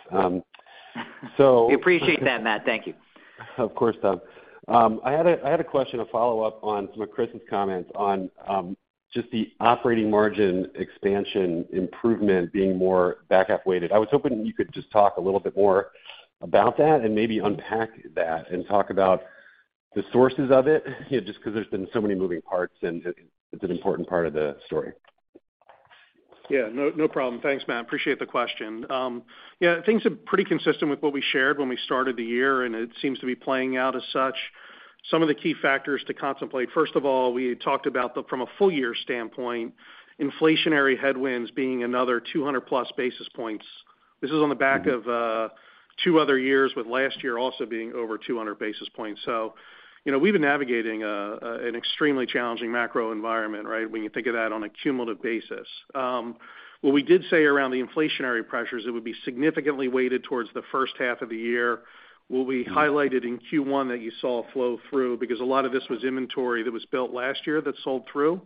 We appreciate that, Matt. Thank you. Of course, Tom. I had a question to follow up on some of Chris's comments on just the operating margin expansion improvement being more back half weighted. I was hoping you could just talk a little bit more about that and maybe unpack that and talk about the sources of it, you know, just 'cause there's been so many moving parts and it's an important part of the story? Yeah, no problem. Thanks, Matt. Appreciate the question. Yeah, things are pretty consistent with what we shared when we started the year, and it seems to be playing out as such. Some of the key factors to contemplate, first of all, we talked about the, from a full year standpoint, inflationary headwinds being another 200+ basis points. This is on the back of two other years, with last year also being over 200 basis points. You know, we've been navigating an extremely challenging macro environment, right? When you think of that on a cumulative basis. What we did say around the inflationary pressures, it would be significantly weighted towards the first half of the year, where we highlighted in Q1 that you saw flow through because a lot of this was inventory that was built last year that sold through.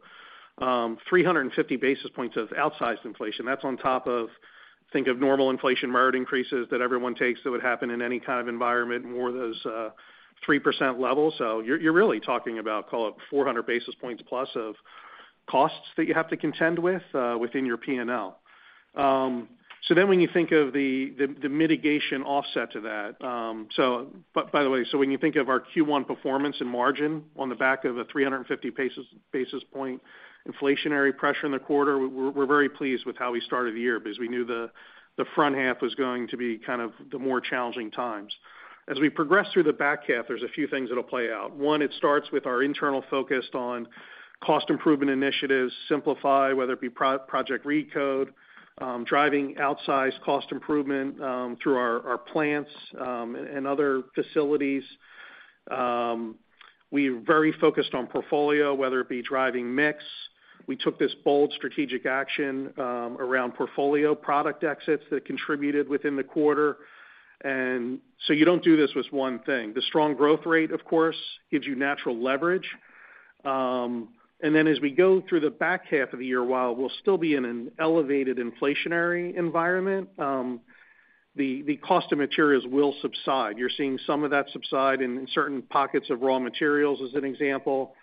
350 basis points of outsized inflation, that's on top of normal inflation merit increases that everyone takes that would happen in any kind of environment, more those, 3% level. You're really talking about call it 400 basis points plus of costs that you have to contend with within your P&L. When you think of the mitigation offset to that. By the way, when you think of our Q1 performance and margin on the back of a 350 basis point inflationary pressure in the quarter, we're very pleased with how we started the year because we knew the front half was going to be kind of the more challenging times. As we progress through the back half, there's a few things that'll play out. One, it starts with our internal focus on cost improvement initiatives, simplify, whether it be project RECODE, driving outsized cost improvement, through our plants, and other facilities. We are very focused on portfolio, whether it be driving mix. We took this bold strategic action around portfolio product exits that contributed within the quarter. You don't do this with one thing. The strong growth rate, of course, gives you natural leverage. Then as we go through the back half of the year, while we'll still be in an elevated inflationary environment, the cost of materials will subside. You're seeing some of that subside in certain pockets of raw materials as an example,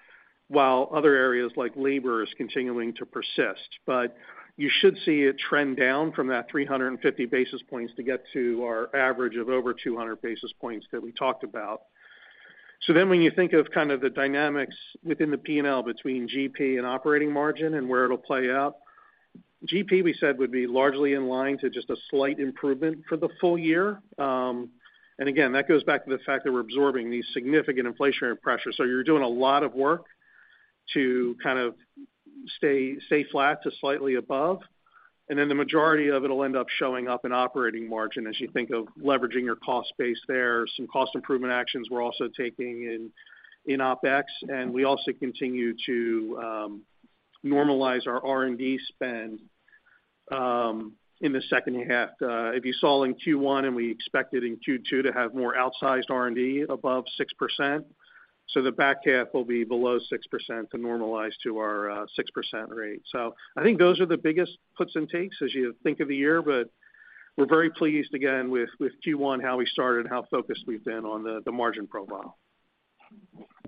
while other areas like labor is continuing to persist. You should see it trend down from that 350 basis points to get to our average of over 200 basis points that we talked about. When you think of kind of the dynamics within the P&L between GP and operating margin and where it'll play out, GP we said would be largely in line to just a slight improvement for the full year. Again, that goes back to the fact that we're absorbing these significant inflationary pressures. You're doing a lot of work to kind of stay flat to slightly above, and then the majority of it'll end up showing up in operating margin as you think of leveraging your cost base there. Some cost improvement actions we're also taking in OpEx, and we also continue to normalize our R&D spend in the second half. If you saw in Q1, we expect it in Q2 to have more outsized R&D above 6%. The back half will be below 6% to normalize to our 6% rate. We're very pleased again with Q1, how we started, how focused we've been on the margin profile.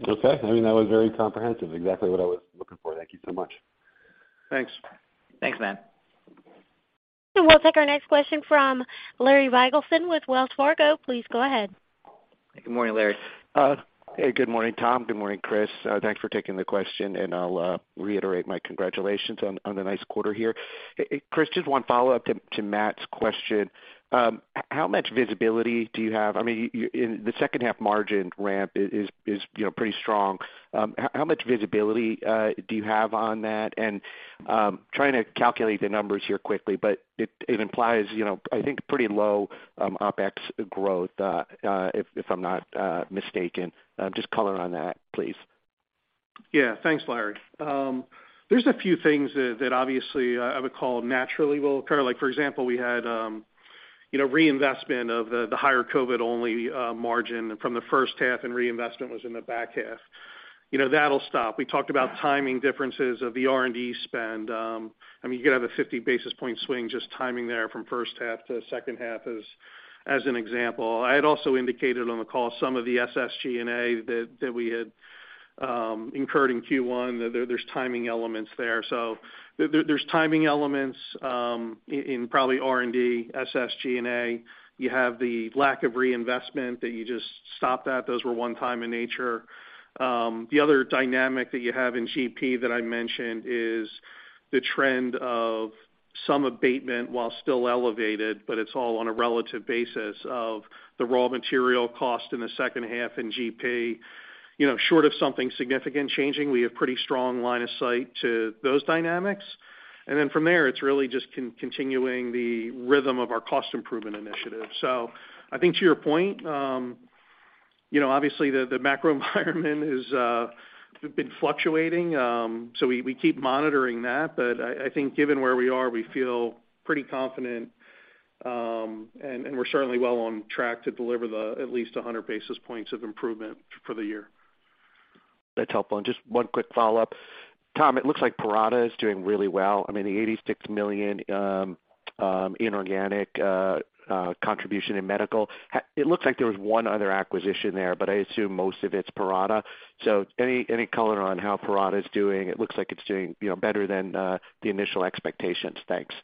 Okay. I mean, that was very comprehensive. Exactly what I was looking for. Thank you so much. Thanks. Thanks, Matt. We'll take our next question from Larry Biegelsen with Wells Fargo. Please go ahead. Good morning, Larry. Hey, good morning, Tom. Good morning, Chris. Thanks for taking the question, and I'll reiterate my congratulations on the nice quarter here. Chris, just one follow-up to Matt's question. How much visibility do you have? I mean, the second half margin ramp is, you know, pretty strong. How much visibility do you have on that? Trying to calculate the numbers here quickly, but it implies, you know, I think pretty low OpEx growth if I'm not mistaken. Just color on that, please. Yeah. Thanks, Larry. There's a few things that obviously I would call naturally will occur. Like, for example, we had, you know, reinvestment of the higher COVID-only margin from the first half, and reinvestment was in the back half. You know, that'll stop. We talked about timing differences of the R&D spend. I mean, you could have a 50 basis point swing just timing there from first half to second half as an example. I had also indicated on the call some of the SSG&A that we had incurred in Q1, there's timing elements there. There's timing elements in probably R&D, SSG&A. You have the lack of reinvestment that you just stopped at. Those were one time in nature. The other dynamic that you have in GP that I mentioned is the trend of some abatement while still elevated, but it's all on a relative basis of the raw material cost in the second half in GP. You know, short of something significant changing, we have pretty strong line of sight to those dynamics. From there, it's really just continuing the rhythm of our cost improvement initiative. I think to your point, you know, obviously the macro environment is been fluctuating. We keep monitoring that. I think given where we are, we feel pretty confident, and we're certainly well on track to deliver the at least 100 basis points of improvement for the year. That's helpful. Just one quick follow-up. Tom, it looks like Parata is doing really well. I mean, the $86 million inorganic contribution in Medical. It looks like there was one other acquisition there, but I assume most of it's Parata. Any color on how Parata is doing? It looks like it's doing, you know, better than the initial expectations. Thanks. Yeah.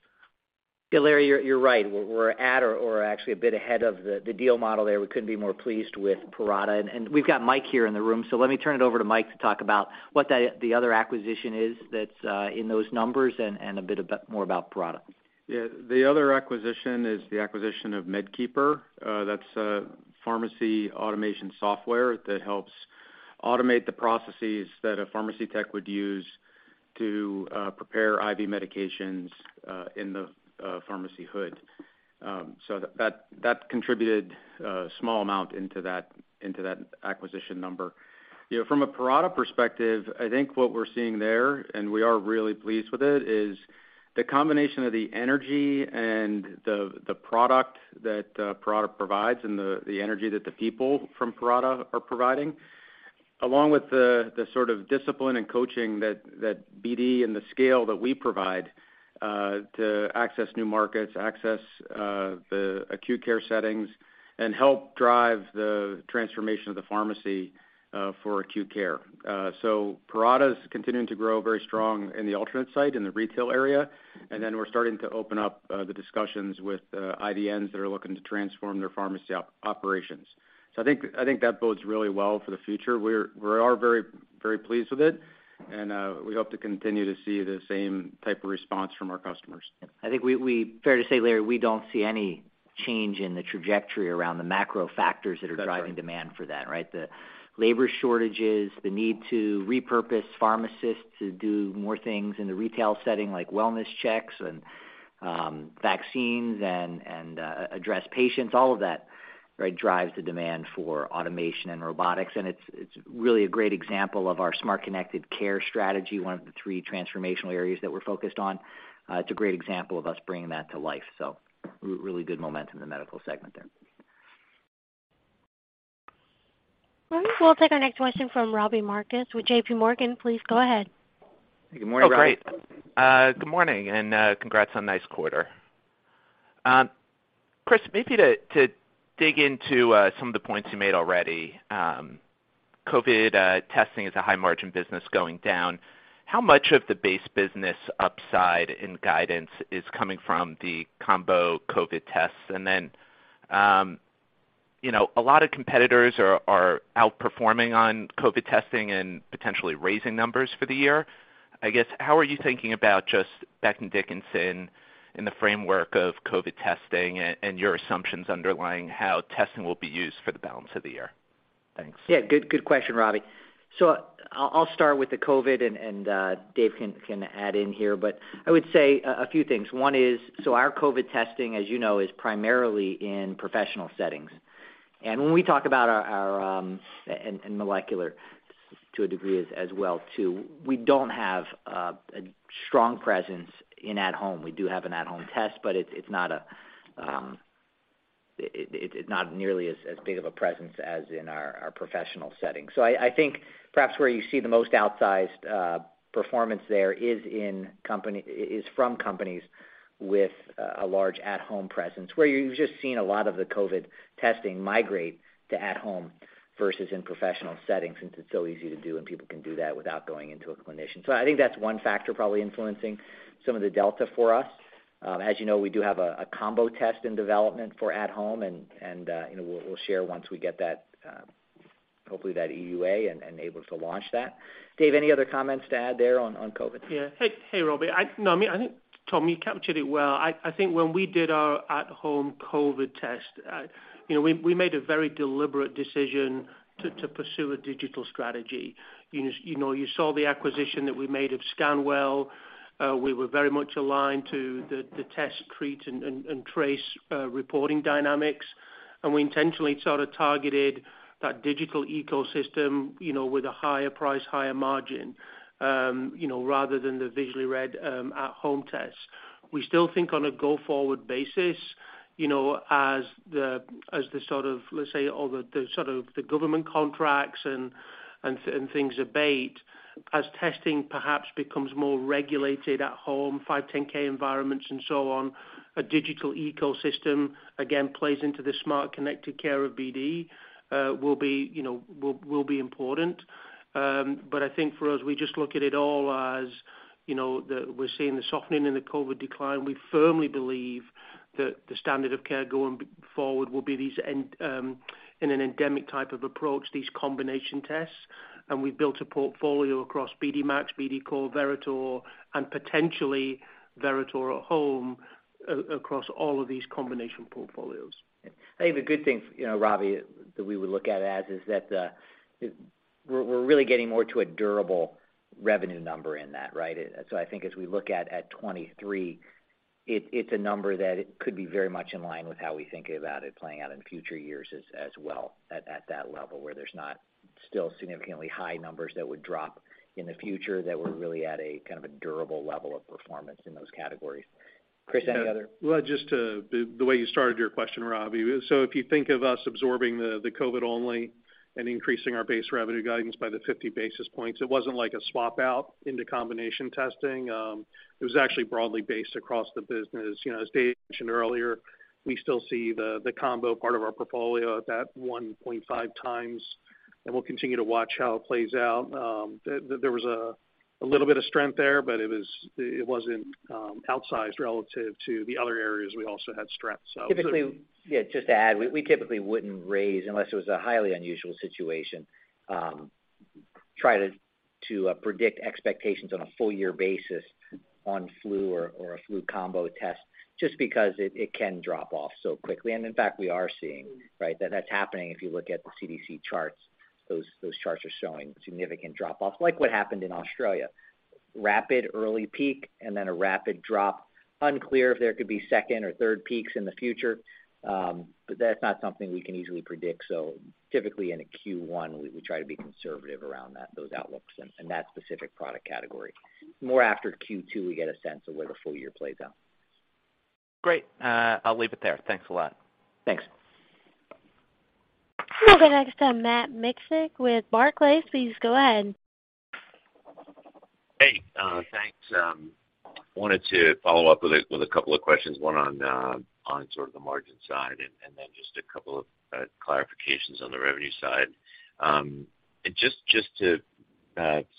Larry, you're right. We're at or actually a bit ahead of the deal model there. We couldn't be more pleased with Parata. We've got Mike here in the room, so let me turn it over to Mike to talk about what the other acquisition is that's in those numbers and a bit more about Parata. Yeah. The other acquisition is the acquisition of MedKeeper. That's a pharmacy automation software that helps automate the processes that a pharmacy tech would use to prepare IV medications in the pharmacy hood. That contributed a small amount into that acquisition number. You know, from a Parata perspective, I think what we're seeing there, and we are really pleased with it, is the combination of the energy and the product that Parata provides and the energy that the people from Parata are providing, along with the sort of discipline and coaching that BD and the scale that we provide to access new markets, access the acute care settings and help drive the transformation of the pharmacy for acute care. Parata is continuing to grow very strong in the alternate site, in the retail area. Then we're starting to open up the discussions with IDNs that are looking to transform their pharmacy operations. I think that bodes really well for the future. We are very, very pleased with it, and we hope to continue to see the same type of response from our customers. I think fair to say, Larry, we don't see any change in the trajectory around the macro factors that are driving demand for that, right? The labor shortages, the need to repurpose pharmacists to do more things in the retail setting like wellness checks and vaccines and address patients, all of that, right, drives the demand for automation and robotics. It's really a great example of our smart connected care strategy, one of the three transformational areas that we're focused on. It's a great example of us bringing that to life. Really good momentum in the Medical segment there. We'll take our next question from Robbie Marcus with JPMorgan. Please go ahead. Good morning, Robbie. Oh, great. Good morning, and congrats on nice quarter. Chris, maybe to dig into some of the points you made already. COVID testing is a high margin business going down. How much of the base business upside in guidance is coming from the combo COVID tests? Then, you know, a lot of competitors are outperforming on COVID testing and potentially raising numbers for the year. I guess, how are you thinking about just Becton Dickinson in the framework of COVID testing and your assumptions underlying how testing will be used for the balance of the year? Thanks. Yeah, good question, Robbie. I'll start with the COVID and Dave can add in here, but I would say a few things. One is, our COVID testing, as you know, is primarily in professional settings. When we talk about our molecular to a degree as well too, we don't have a strong presence in at home. We do have an at home test, but it's not a, it's not nearly as big of a presence as in our professional setting. I think perhaps where you see the most outsized performance there is from companies with a large at home presence, where you've just seen a lot of the COVID testing migrate to at home versus in professional settings, since it's so easy to do and people can do that without going into a clinician. I think that's one factor probably influencing some of the delta for us. As you know, we do have a combo test in development for at home, and you know, we'll share once we get that hopefully that EUA and able to launch that. Dave, any other comments to add there on COVID? Hey, hey, Robbie. No, I mean, I think, Tom, you captured it well. I think when we did our at home COVID test, you know, we made a very deliberate decision to pursue a digital strategy. You know, you saw the acquisition that we made of Scanwell. We were very much aligned to the test treat and trace reporting dynamics. We intentionally sort of targeted that digital ecosystem, you know, with a higher price, higher margin, you know, rather than the visually read at home tests. We still think on a go-forward basis, you know, as the, as the sort of, let's say, all the sort of the government contracts and things abate, as testing perhaps becomes more regulated at home, 510(k) environments and so on, a digital ecosystem, again, plays into the smart connected care of BD, will be, you know, will be important. But I think for us, we just look at it all as, you know, we're seeing the softening in the COVID decline. We firmly believe that the standard of care going forward will be these end in an endemic type of approach, these combination tests. And we've built a portfolio across BD MAX, BD COR, Veritor, and potentially Veritor at home across all of these combination portfolios. I think the good thing you know, Robbie, that we would look at as is that, we're really getting more to a durable revenue number in that, right. I think as we look at 2023, it's a number that it could be very much in line with how we think about it playing out in future years as well at that level, where there's not still significantly high numbers that would drop in the future, that we're really at a kind of a durable level of performance in those categories. Chris, any other. Just to the way you started your question, Robbie. If you think of us absorbing the COVID-only and increasing our base revenue guidance by the 50 basis points, it wasn't like a swap out into combination testing. It was actually broadly based across the business. You know, as Dave mentioned earlier, we still see the combo part of our portfolio at that 1.5 times, and we'll continue to watch how it plays out. There was a little bit of strength there, but it wasn't outsized relative to the other areas we also had strength. Typically. Yeah, just to add, we typically wouldn't raise unless it was a highly unusual situation, try to predict expectations on a full year basis on flu or a flu combo test just because it can drop off so quickly. In fact, we are seeing, right, that that's happening if you look at the CDC charts. Those charts are showing significant drop off, like what happened in Australia. Rapid early peak and then a rapid drop. Unclear if there could be second or third peaks in the future, but that's not something we can easily predict. Typically in a Q1, we try to be conservative around that, those outlooks in that specific product category. More after Q2, we get a sense of where the full year plays out. Great. I'll leave it there. Thanks a lot. Thanks. We'll go next to Matt Miksic with Barclays. Please go ahead. Hey, thanks. Wanted to follow up with a couple of questions, one on sort of the margin side and then just a couple of clarifications on the revenue side. Just to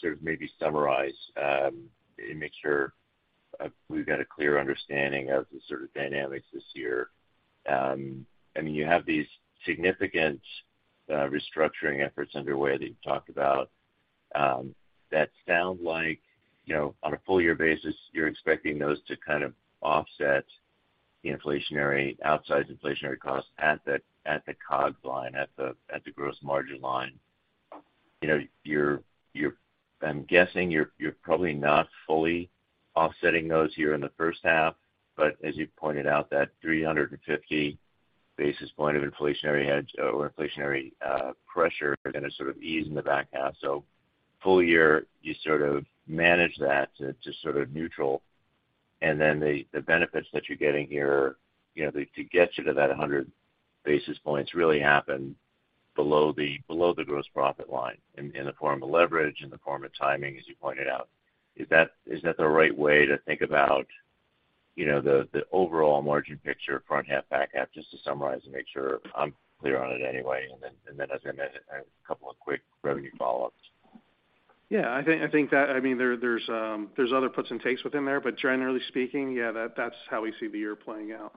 sort of maybe summarize and make sure we've got a clear understanding of the sort of dynamics this year. I mean, you have these significant restructuring efforts underway that you've talked about that sound like, you know, on a full year basis, you're expecting those to kind of offset the outsized inflationary costs at the COGS line, at the gross margin line. You know, you're I'm guessing you're probably not fully offsetting those here in the first half, but as you pointed out, that 350 basis points of inflationary hedge or inflationary pressure are gonna sort of ease in the back half. Full year, you sort of manage that to sort of neutral. The benefits that you're getting here, you know, to get you to that 100 basis points really happen below the gross profit line in the form of leverage, in the form of timing, as you pointed out. Is that the right way to think about, you know, the overall margin picture front half, back half, just to summarize and make sure I'm clear on it anyway? As I mentioned, a couple of quick revenue follow-ups. Yeah. I think that I mean, there's other puts and takes within there, but generally speaking, yeah, that's how we see the year playing out.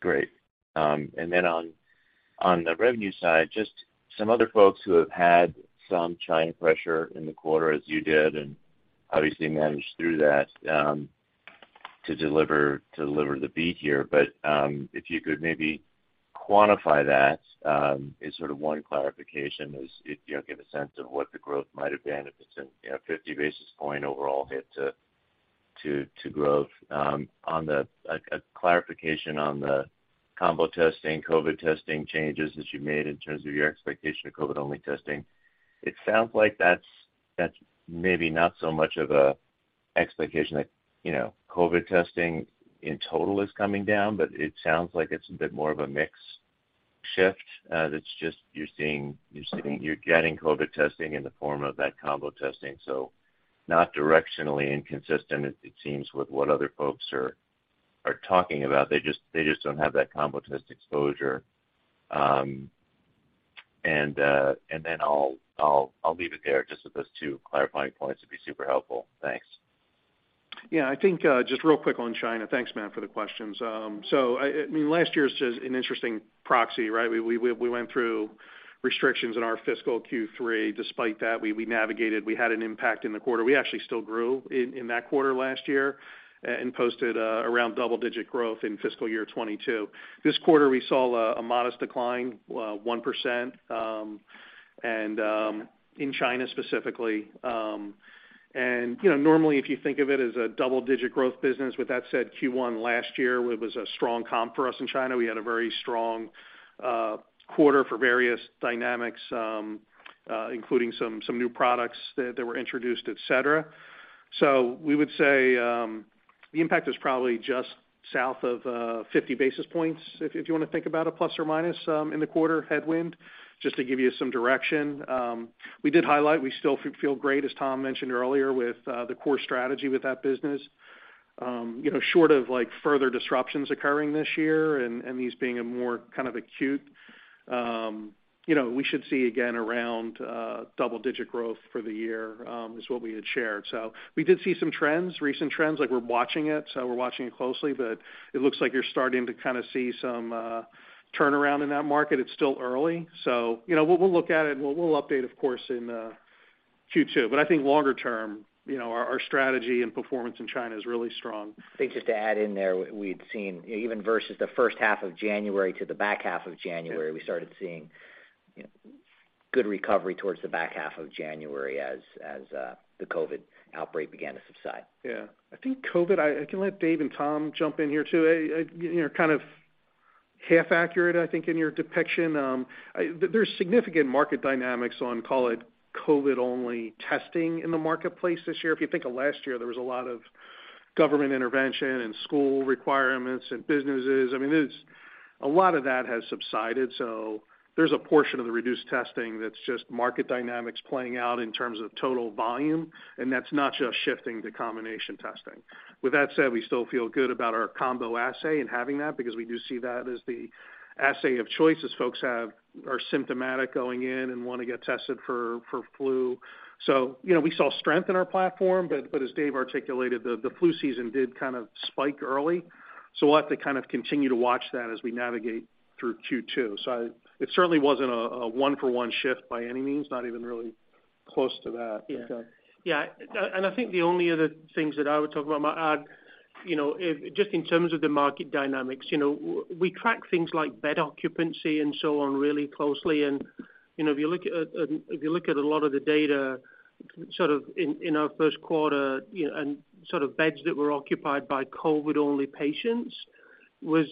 Great. Then on the revenue side, just some other folks who have had some China pressure in the quarter as you did, and obviously managed through that, to deliver the beat here. If you could maybe quantify that, is sort of one clarification is if you give a sense of what the growth might have been, if it's a, you know, 50 basis point overall hit to growth. On the clarification on the combo testing, COVID testing changes that you made in terms of your expectation of COVID-only testing. It sounds like that's maybe not so much of a expectation that, you know, COVID testing in total is coming down, but it sounds like it's a bit more of a mix shift that's just you're seeing you're getting COVID testing in the form of that combo testing. Not directionally inconsistent, it seems, with what other folks are talking about. They just don't have that combo test exposure. I'll leave it there. Just those two clarifying points would be super helpful. Thanks. Yeah. I think, just real quick on China. Thanks, Matt, for the questions. I mean, last year is just an interesting proxy, right? We went through restrictions in our fiscal Q3. Despite that, we navigated. We had an impact in the quarter. We actually still grew in that quarter last year, and posted around double-digit growth in fiscal year 2022. This quarter, we saw a modest decline, 1%, and in China specifically. You know, normally, if you think of it as a double-digit growth business, with that said, Q1 last year was a strong comp for us in China. We had a very strong quarter for various dynamics, including some new products that were introduced, et cetera. We would say the impact is probably just south of 50 basis points if you wanna think about a plus or minus in the quarter headwind, just to give you some direction. We did highlight we still feel great, as Tom mentioned earlier, with the core strategy with that business. You know, short of like, further disruptions occurring this year and these being a more kind of acute, you know, we should see again around double-digit growth for the year, is what we had shared. We did see some trends, recent trends, so we're watching it closely. It looks like you're starting to kinda see some turnaround in that market. It's still early, so you know, we'll look at it and we'll update of course in Q2. I think longer term, you know, our strategy and performance in China is really strong. I think just to add in there, we'd seen even versus the first half of January to the back half of January. Yeah. We started seeing, you know, good recovery towards the back half of January as the COVID outbreak began to subside. Yeah. I think COVID, I can let Dave and Tom jump in here too. You're kind of half accurate, I think, in your depiction. There's significant market dynamics on, call it COVID-only testing in the marketplace this year. If you think of last year, there was a lot of government intervention and school requirements and businesses. I mean, a lot of that has subsided, so there's a portion of the reduced testing that's just market dynamics playing out in terms of total volume, and that's not just shifting to combination testing. With that said, we still feel good about our combo assay and having that because we do see that as the assay of choice as folks are symptomatic going in and wanna get tested for flu. You know, we saw strength in our platform, but as Dave articulated, the flu season did kind of spike early, so we'll have to kind of continue to watch that as we navigate through Q2. It certainly wasn't a one-for-one shift by any means, not even really close to that. Yeah. But, uh- Yeah. I think the only other things that I would talk about, Matt, you know, if just in terms of the market dynamics, you know, we track things like bed occupancy and so on really closely. You know, if you look at a lot of the data sort of in our first quarter, you know, and sort of beds that were occupied by COVID-only patients was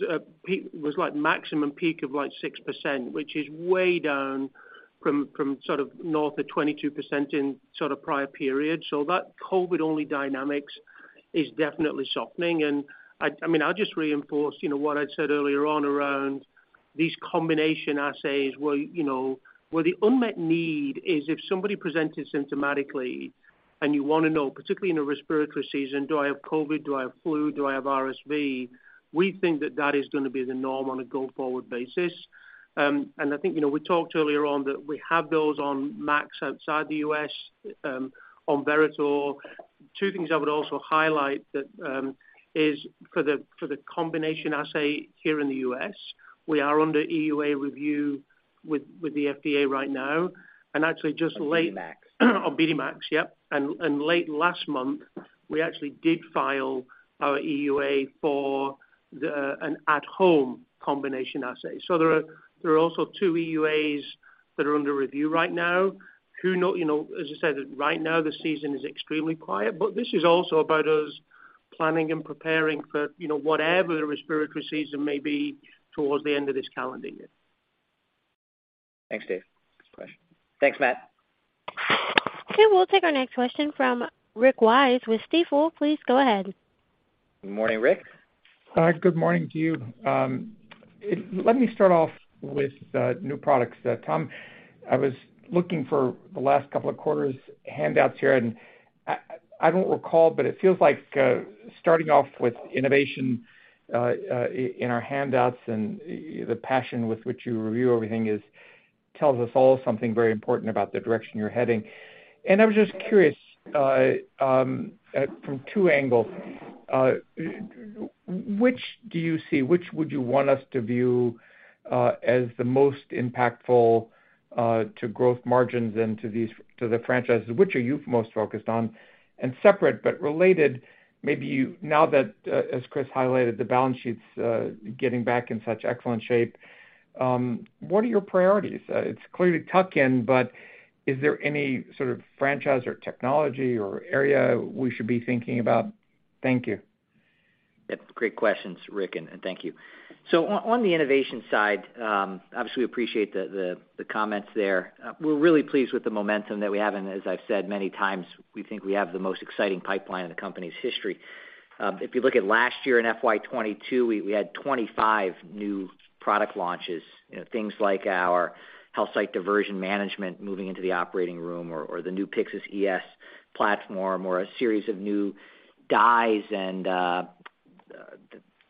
like maximum peak of like 6%, which is way down from sort of north of 22% in sort of prior periods. That COVID-only dynamics is definitely softening. I mean, I'll just reinforce, you know, what I'd said earlier on around these combination assays where, you know, where the unmet need is if somebody presented symptomatically and you wanna know, particularly in a respiratory season, do I have COVID, do I have flu, do I have RSV? We think that that is gonna be the norm on a go-forward basis. I think, you know, we talked earlier on that we have those on MAX outside the U.S., on Veritor. Two things I would also highlight that is for the combination assay here in the U.S., we are under EUA review with the FDA right now. Actually just late. On BD MAX. On BD MAX, yep. Late last month, we actually did file our EUA an at-home combination assay. There are also 2 EUAs that are under review right now. You know, as I said, right now the season is extremely quiet, but this is also about us planning and preparing for, you know, whatever the respiratory season may be towards the end of this calendar year. Thanks, Dave. Next question. Thanks, Matt. Okay. We'll take our next question from Rick Wise with Stifel. Please go ahead. Morning, Rick. Good morning to you. Let me start off with new products. Tom, I was looking for the last couple of quarters handouts here, and I don't recall, but it feels like starting off with innovation in our handouts and the passion with which you review everything tells us all something very important about the direction you're heading. I was just curious from two angles. Which do you see, which would you want us to view as the most impactful to growth margins and to the franchises? Which are you most focused on? Separate but related, maybe now that as Chris highlighted, the balance sheet's getting back in such excellent shape, what are your priorities? It's clearly tuck in, but is there any sort of franchise or technology or area we should be thinking about? Thank you. Great questions, Rick, and thank you. On the innovation side, obviously, we appreciate the comments there. We're really pleased with the momentum that we have. As I've said many times, we think we have the most exciting pipeline in the company's history. If you look at last year in FY 2022, we had 25 new product launches. You know, things like our BD HealthSight diversion management moving into the operating room or the new Pyxis ES platform or a series of new dyes and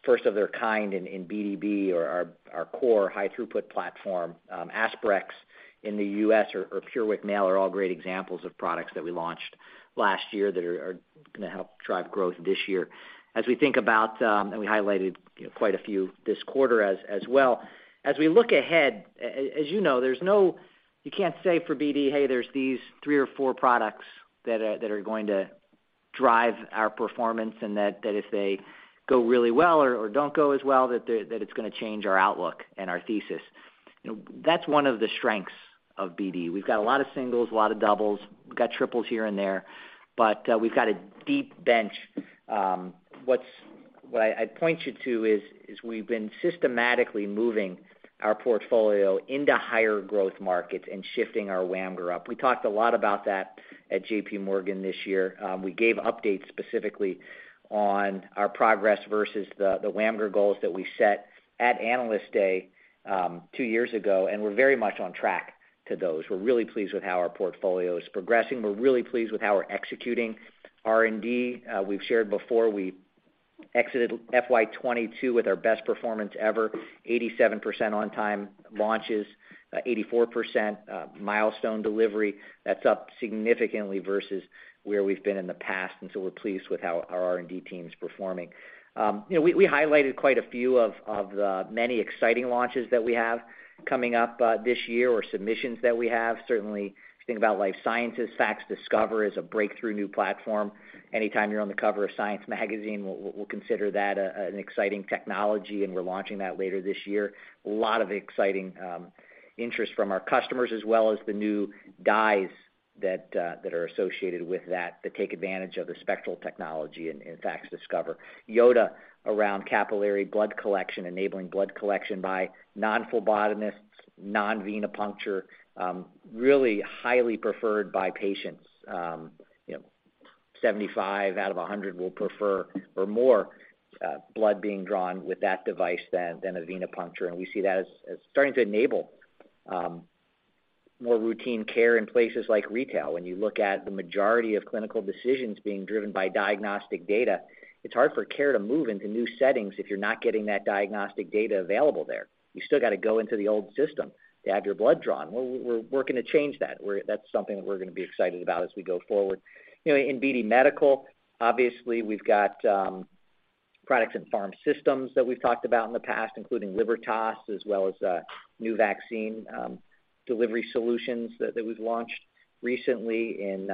first of their kind in BD Biosciences or our BD COR high throughput platform, Aspirex in the U.S. or PureWick Male are all great examples of products that we launched last year that are gonna help drive growth this year. As we think about, and we highlighted, you know, quite a few this quarter as well. As we look ahead, as you know, you can't say for BD, "Hey, there's these three or four products that are going to drive our performance and that if they go really well or don't go as well that it's gonna change our outlook and our thesis." You know, that's one of the strengths of BD. We've got a lot of singles, a lot of doubles, we've got triples here and there, but we've got a deep bench. What I'd point you to is we've been systematically moving our portfolio into higher growth markets and shifting our WAMGR up. We talked a lot about that at JPMorgan this year. We gave updates specifically on our progress versus the WAMGR goals that we set at Analyst Day 2 years ago, and we're very much on track to those. We're really pleased with how our portfolio is progressing. We're really pleased with how we're executing R&D. We've shared before, we exited FY 2022 with our best performance ever, 87% on-time launches, 84% milestone delivery. That's up significantly versus where we've been in the past. We're pleased with how our R&D team's performing. You know, we highlighted quite a few of the many exciting launches that we have coming up this year or submissions that we have. Certainly if you think about Life Sciences, FACSDiscover is a breakthrough new platform. Anytime you're on the cover of Science, we'll consider that an exciting technology, and we're launching that later this year. A lot of exciting interest from our customers as well as the new dyes that are associated with that take advantage of the spectral technology in FACSDiscover. Yota around capillary blood collection, enabling blood collection by non-phlebotomists, non-venipuncture, really highly preferred by patients. You know, 75 out of 100 will prefer or more blood being drawn with that device than a venipuncture. We see that as starting to enable more routine care in places like retail. When you look at the majority of clinical decisions being driven by diagnostic data, it's hard for care to move into new settings if you're not getting that diagnostic data available there. You still gotta go into the old system to have your blood drawn. We're working to change that. That's something that we're gonna be excited about as we go forward. You know, in BD Medical, obviously we've got products and Pharm Systems that we've talked about in the past, including Libertas as well as new vaccine delivery solutions that was launched recently. In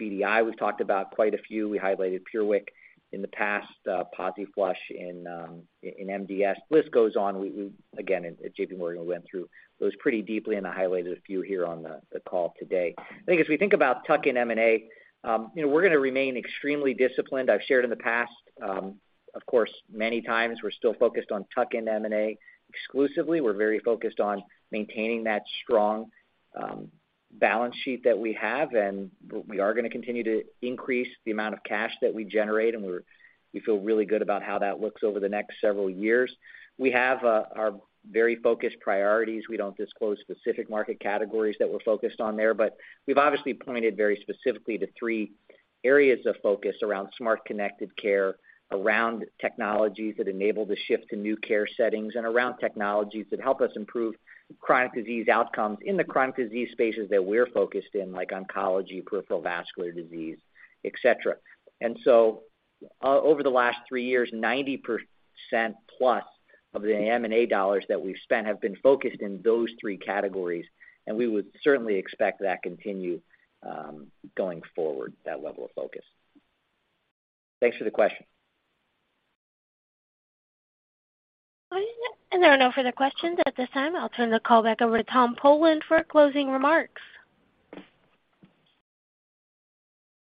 BDI, we've talked about quite a few. We highlighted PureWick in the past, PosiFlush in MDS. List goes on. We again at JPMorgan went through those pretty deeply, I highlighted a few here on the call today. I think as we think about tuck-in M&A, you know, we're gonna remain extremely disciplined. I've shared in the past, of course, many times we're still focused on tuck-in M&A exclusively. We're very focused on maintaining that strong balance sheet that we have, and we are gonna continue to increase the amount of cash that we generate, and we feel really good about how that looks over the next several years. We have our very focused priorities. We don't disclose specific market categories that we're focused on there, but we've obviously pointed very specifically to three areas of focus around smart connected care, around technologies that enable the shift to new care settings, and around technologies that help us improve chronic disease outcomes in the chronic disease spaces that we're focused in, like oncology, peripheral vascular disease, et cetera. Over the last three years, 90%+ of the M&A dollars that we've spent have been focused in those three categories, and we would certainly expect that continue going forward, that level of focus. Thanks for the question. There are no further questions at this time. I'll turn the call back over to Tom Polen for closing remarks.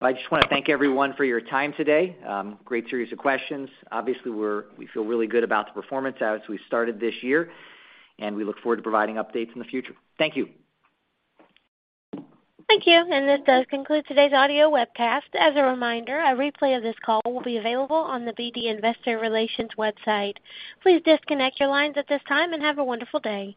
I just wanna thank everyone for your time today. Great series of questions. Obviously, we feel really good about the performance as we started this year. We look forward to providing updates in the future. Thank you. Thank you. This does conclude today's audio webcast. As a reminder, a replay of this call will be available on the BD investor relations website. Please disconnect your lines at this time and have a wonderful day.